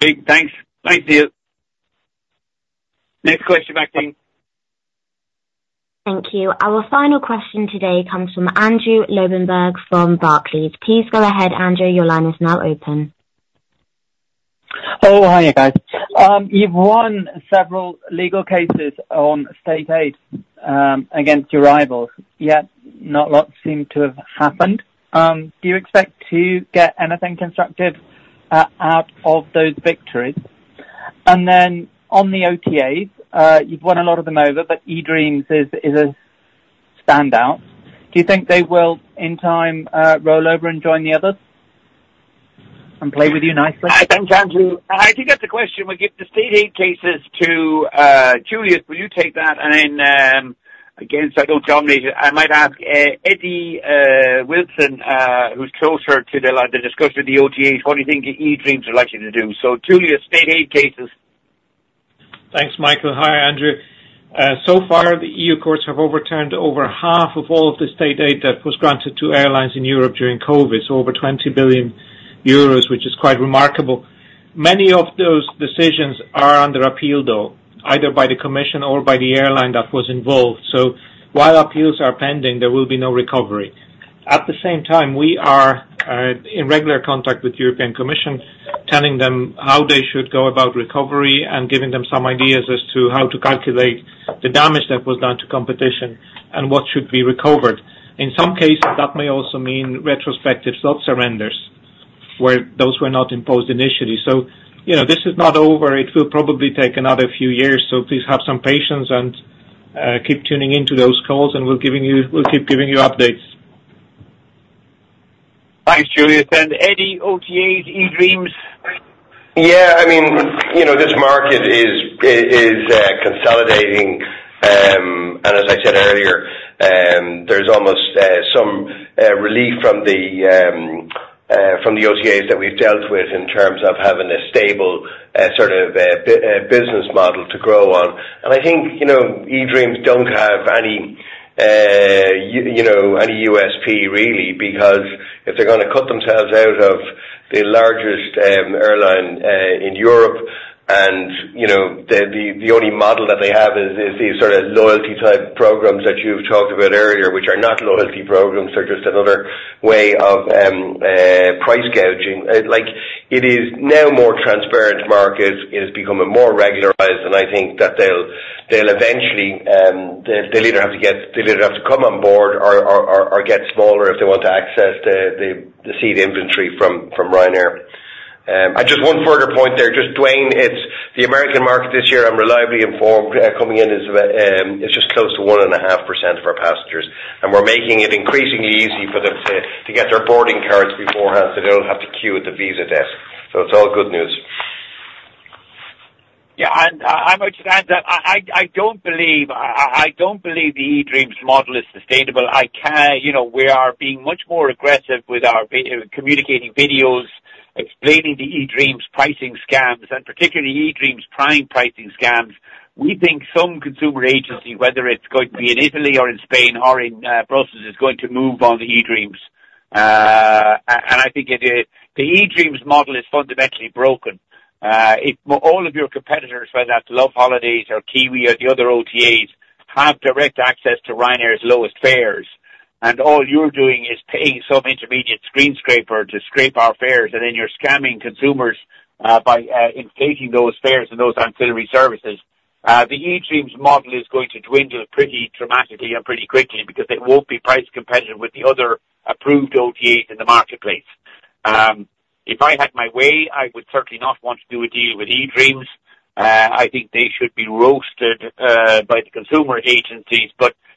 Great. Thanks. Thanks, Neil. Next question back to you. Thank you. Our final question today comes from Andrew Lobbenberg from Barclays. Please go ahead, Andrew. Your line is now open. Oh, hi, you guys. You've won several legal cases on state aid against your rivals. Yet, not a lot seem to have happened. Do you expect to get anything constructive out of those victories? And then on the OTAs, you've won a lot of them over, but eDreams is, is a standout. Do you think they will, in time, roll over and join the others and play with you nicely? I think, Andrew, I think that's the question. We'll give the state aid cases to Juliusz. Will you take that? And then, again, so I don't dominate it, I might ask Eddie Wilson, who's closer to the discussion of the OTAs, what do you think eDreams are likely to do? So, Juliusz, state aid cases. Thanks, Michael. Hi, Andrew. So far, the E.U. courts have overturned over half of all of the state aid that was granted to airlines in Europe during COVID, so over 20 billion euros, which is quite remarkable. Many of those decisions are under appeal, though, either by the Commission or by the airline that was involved. So while appeals are pending, there will be no recovery. At the same time, we are in regular contact with the European Commission, telling them how they should go about recovery and giving them some ideas as to how to calculate the damage that was done to competition and what should be recovered. In some cases, that may also mean retrospectives, not surrenders, where those were not imposed initially. So, you know, this is not over. It will probably take another few years. So please have some patience and keep tuning into those calls, and we'll keep giving you updates. Thanks, Juliusz. And Eddie, OTAs, eDreams? Yeah. I mean, you know, this market is consolidating, and as I said earlier, there's almost some relief from the OTAs that we've dealt with in terms of having a stable, sort of, business model to grow on. And I think, you know, eDreams don't have any, you know, any USP, really, because if they're going to cut themselves out of the largest airline in Europe and, you know, the only model that they have is these sort of loyalty-type programs that you've talked about earlier, which are not loyalty programs. They're just another way of price gouging. Like, it is now a more transparent market. It has become more regularized, and I think that they'll eventually have to either come on board or get smaller if they want to access the seat inventory from Ryanair. I just one further point there. Just Duane, it's the American market this year, I'm reliably informed, coming in is, it's just close to 1.5% of our passengers. And we're making it increasingly easy for them to get their boarding cards beforehand so they don't have to queue at the visa desk. So it's all good news. Yeah. And I'm outstanding. I don't believe the eDreams model is sustainable. You know, we are being much more aggressive with our videos communicating videos, explaining the eDreams pricing scams, and particularly eDreams Prime pricing scams. We think some consumer agency, whether it's going to be in Italy or in Spain or in Brussels, is going to move on the eDreams. And I think that the eDreams model is fundamentally broken. All of your competitors, whether that's loveholidays or Kiwi or the other OTAs, have direct access to Ryanair's lowest fares. And all you're doing is paying some intermediate screen scraper to scrape our fares, and then you're scamming consumers by inflating those fares and those ancillary services. The eDreams model is going to dwindle pretty dramatically and pretty quickly because it won't be price competitive with the other approved OTAs in the marketplace. If I had my way, I would certainly not want to do a deal with eDreams. I think they should be roasted by the consumer agencies.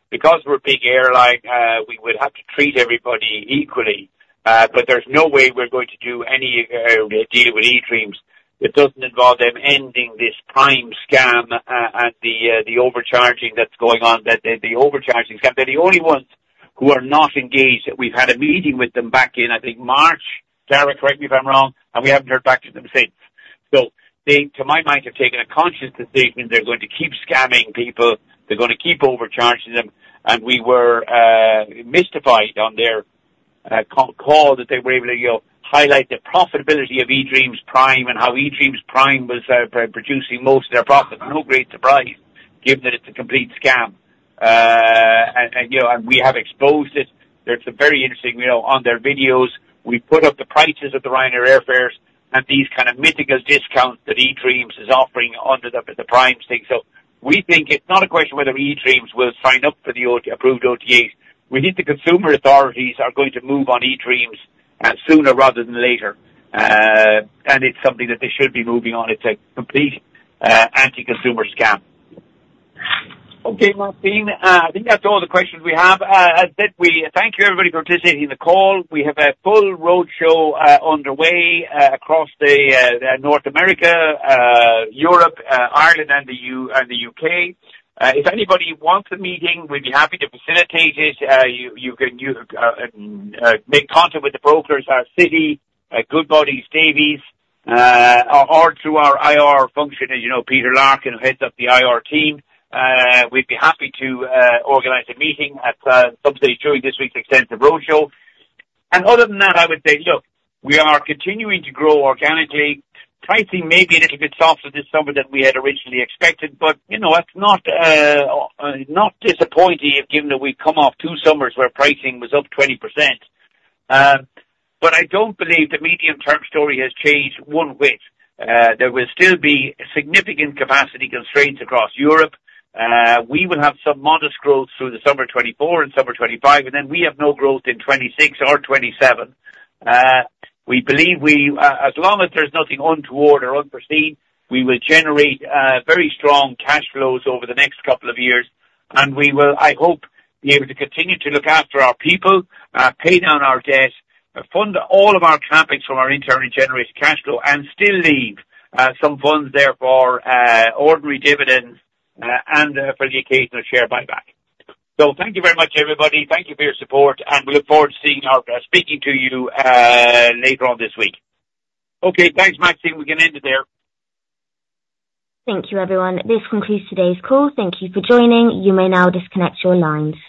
Because we're a big airline, we would have to treat everybody equally. But there's no way we're going to do any deal with eDreams. It doesn't involve them ending this Prime scam and the overcharging that's going on, the overcharging scam. They're the only ones who are not engaged. We've had a meeting with them back in, I think, March. Sarah, correct me if I'm wrong. And we haven't heard back from them since. So they, to my mind, have taken a conscious decision. They're going to keep scamming people. They're going to keep overcharging them. And we were mystified on their call that they were able to, you know, highlight the profitability of eDreams Prime and how eDreams Prime was producing most of their profits, no great surprise, given that it's a complete scam. And, you know, we have exposed it. It's a very interesting, you know, on their videos, we put up the prices of the Ryanair airfares and these kind of mythical discounts that eDreams is offering under the Prime thing. So we think it's not a question whether eDreams will sign up for the approved OTAs. We think the consumer authorities are going to move on eDreams, sooner rather than later. It's something that they should be moving on. It's a complete anti-consumer scam. Okay, Maxine. I think that's all the questions we have. As said, we thank you, everybody, for participating in the call. We have a full roadshow underway across North America, Europe, Ireland, and the U.S. and the U.K.. If anybody wants a meeting, we'd be happy to facilitate it. You can make contact with the brokers, our Citi, Goodbody, Davy, or through our IR function, as you know, Peter Larkin, who heads up the IR team. We'd be happy to organize a meeting on Thursday during this week's extensive roadshow. Other than that, I would say, look, we are continuing to grow organically. Pricing may be a little bit softer this summer than we had originally expected, but, you know, it's not, not disappointing, given that we've come off two summers where pricing was up 20%. But I don't believe the medium-term story has changed one whit. There will still be significant capacity constraints across Europe. We will have some modest growth through the summer 2024 and summer 2025, and then we have no growth in 2026 or 2027. We believe, as long as there's nothing untoward or unforeseen, we will generate very strong cash flows over the next couple of years. And we will, I hope, be able to continue to look after our people, pay down our debt, fund all of our capex from our internally generated cash flow, and still leave some funds there for ordinary dividends, and for the occasional share buyback. So thank you very much, everybody. Thank you for your support. We look forward to seeing you or speaking to you later on this week. Okay. Thanks, Maxine. We can end it there. Thank you, everyone. This concludes today's call. Thank you for joining. You may now disconnect your lines.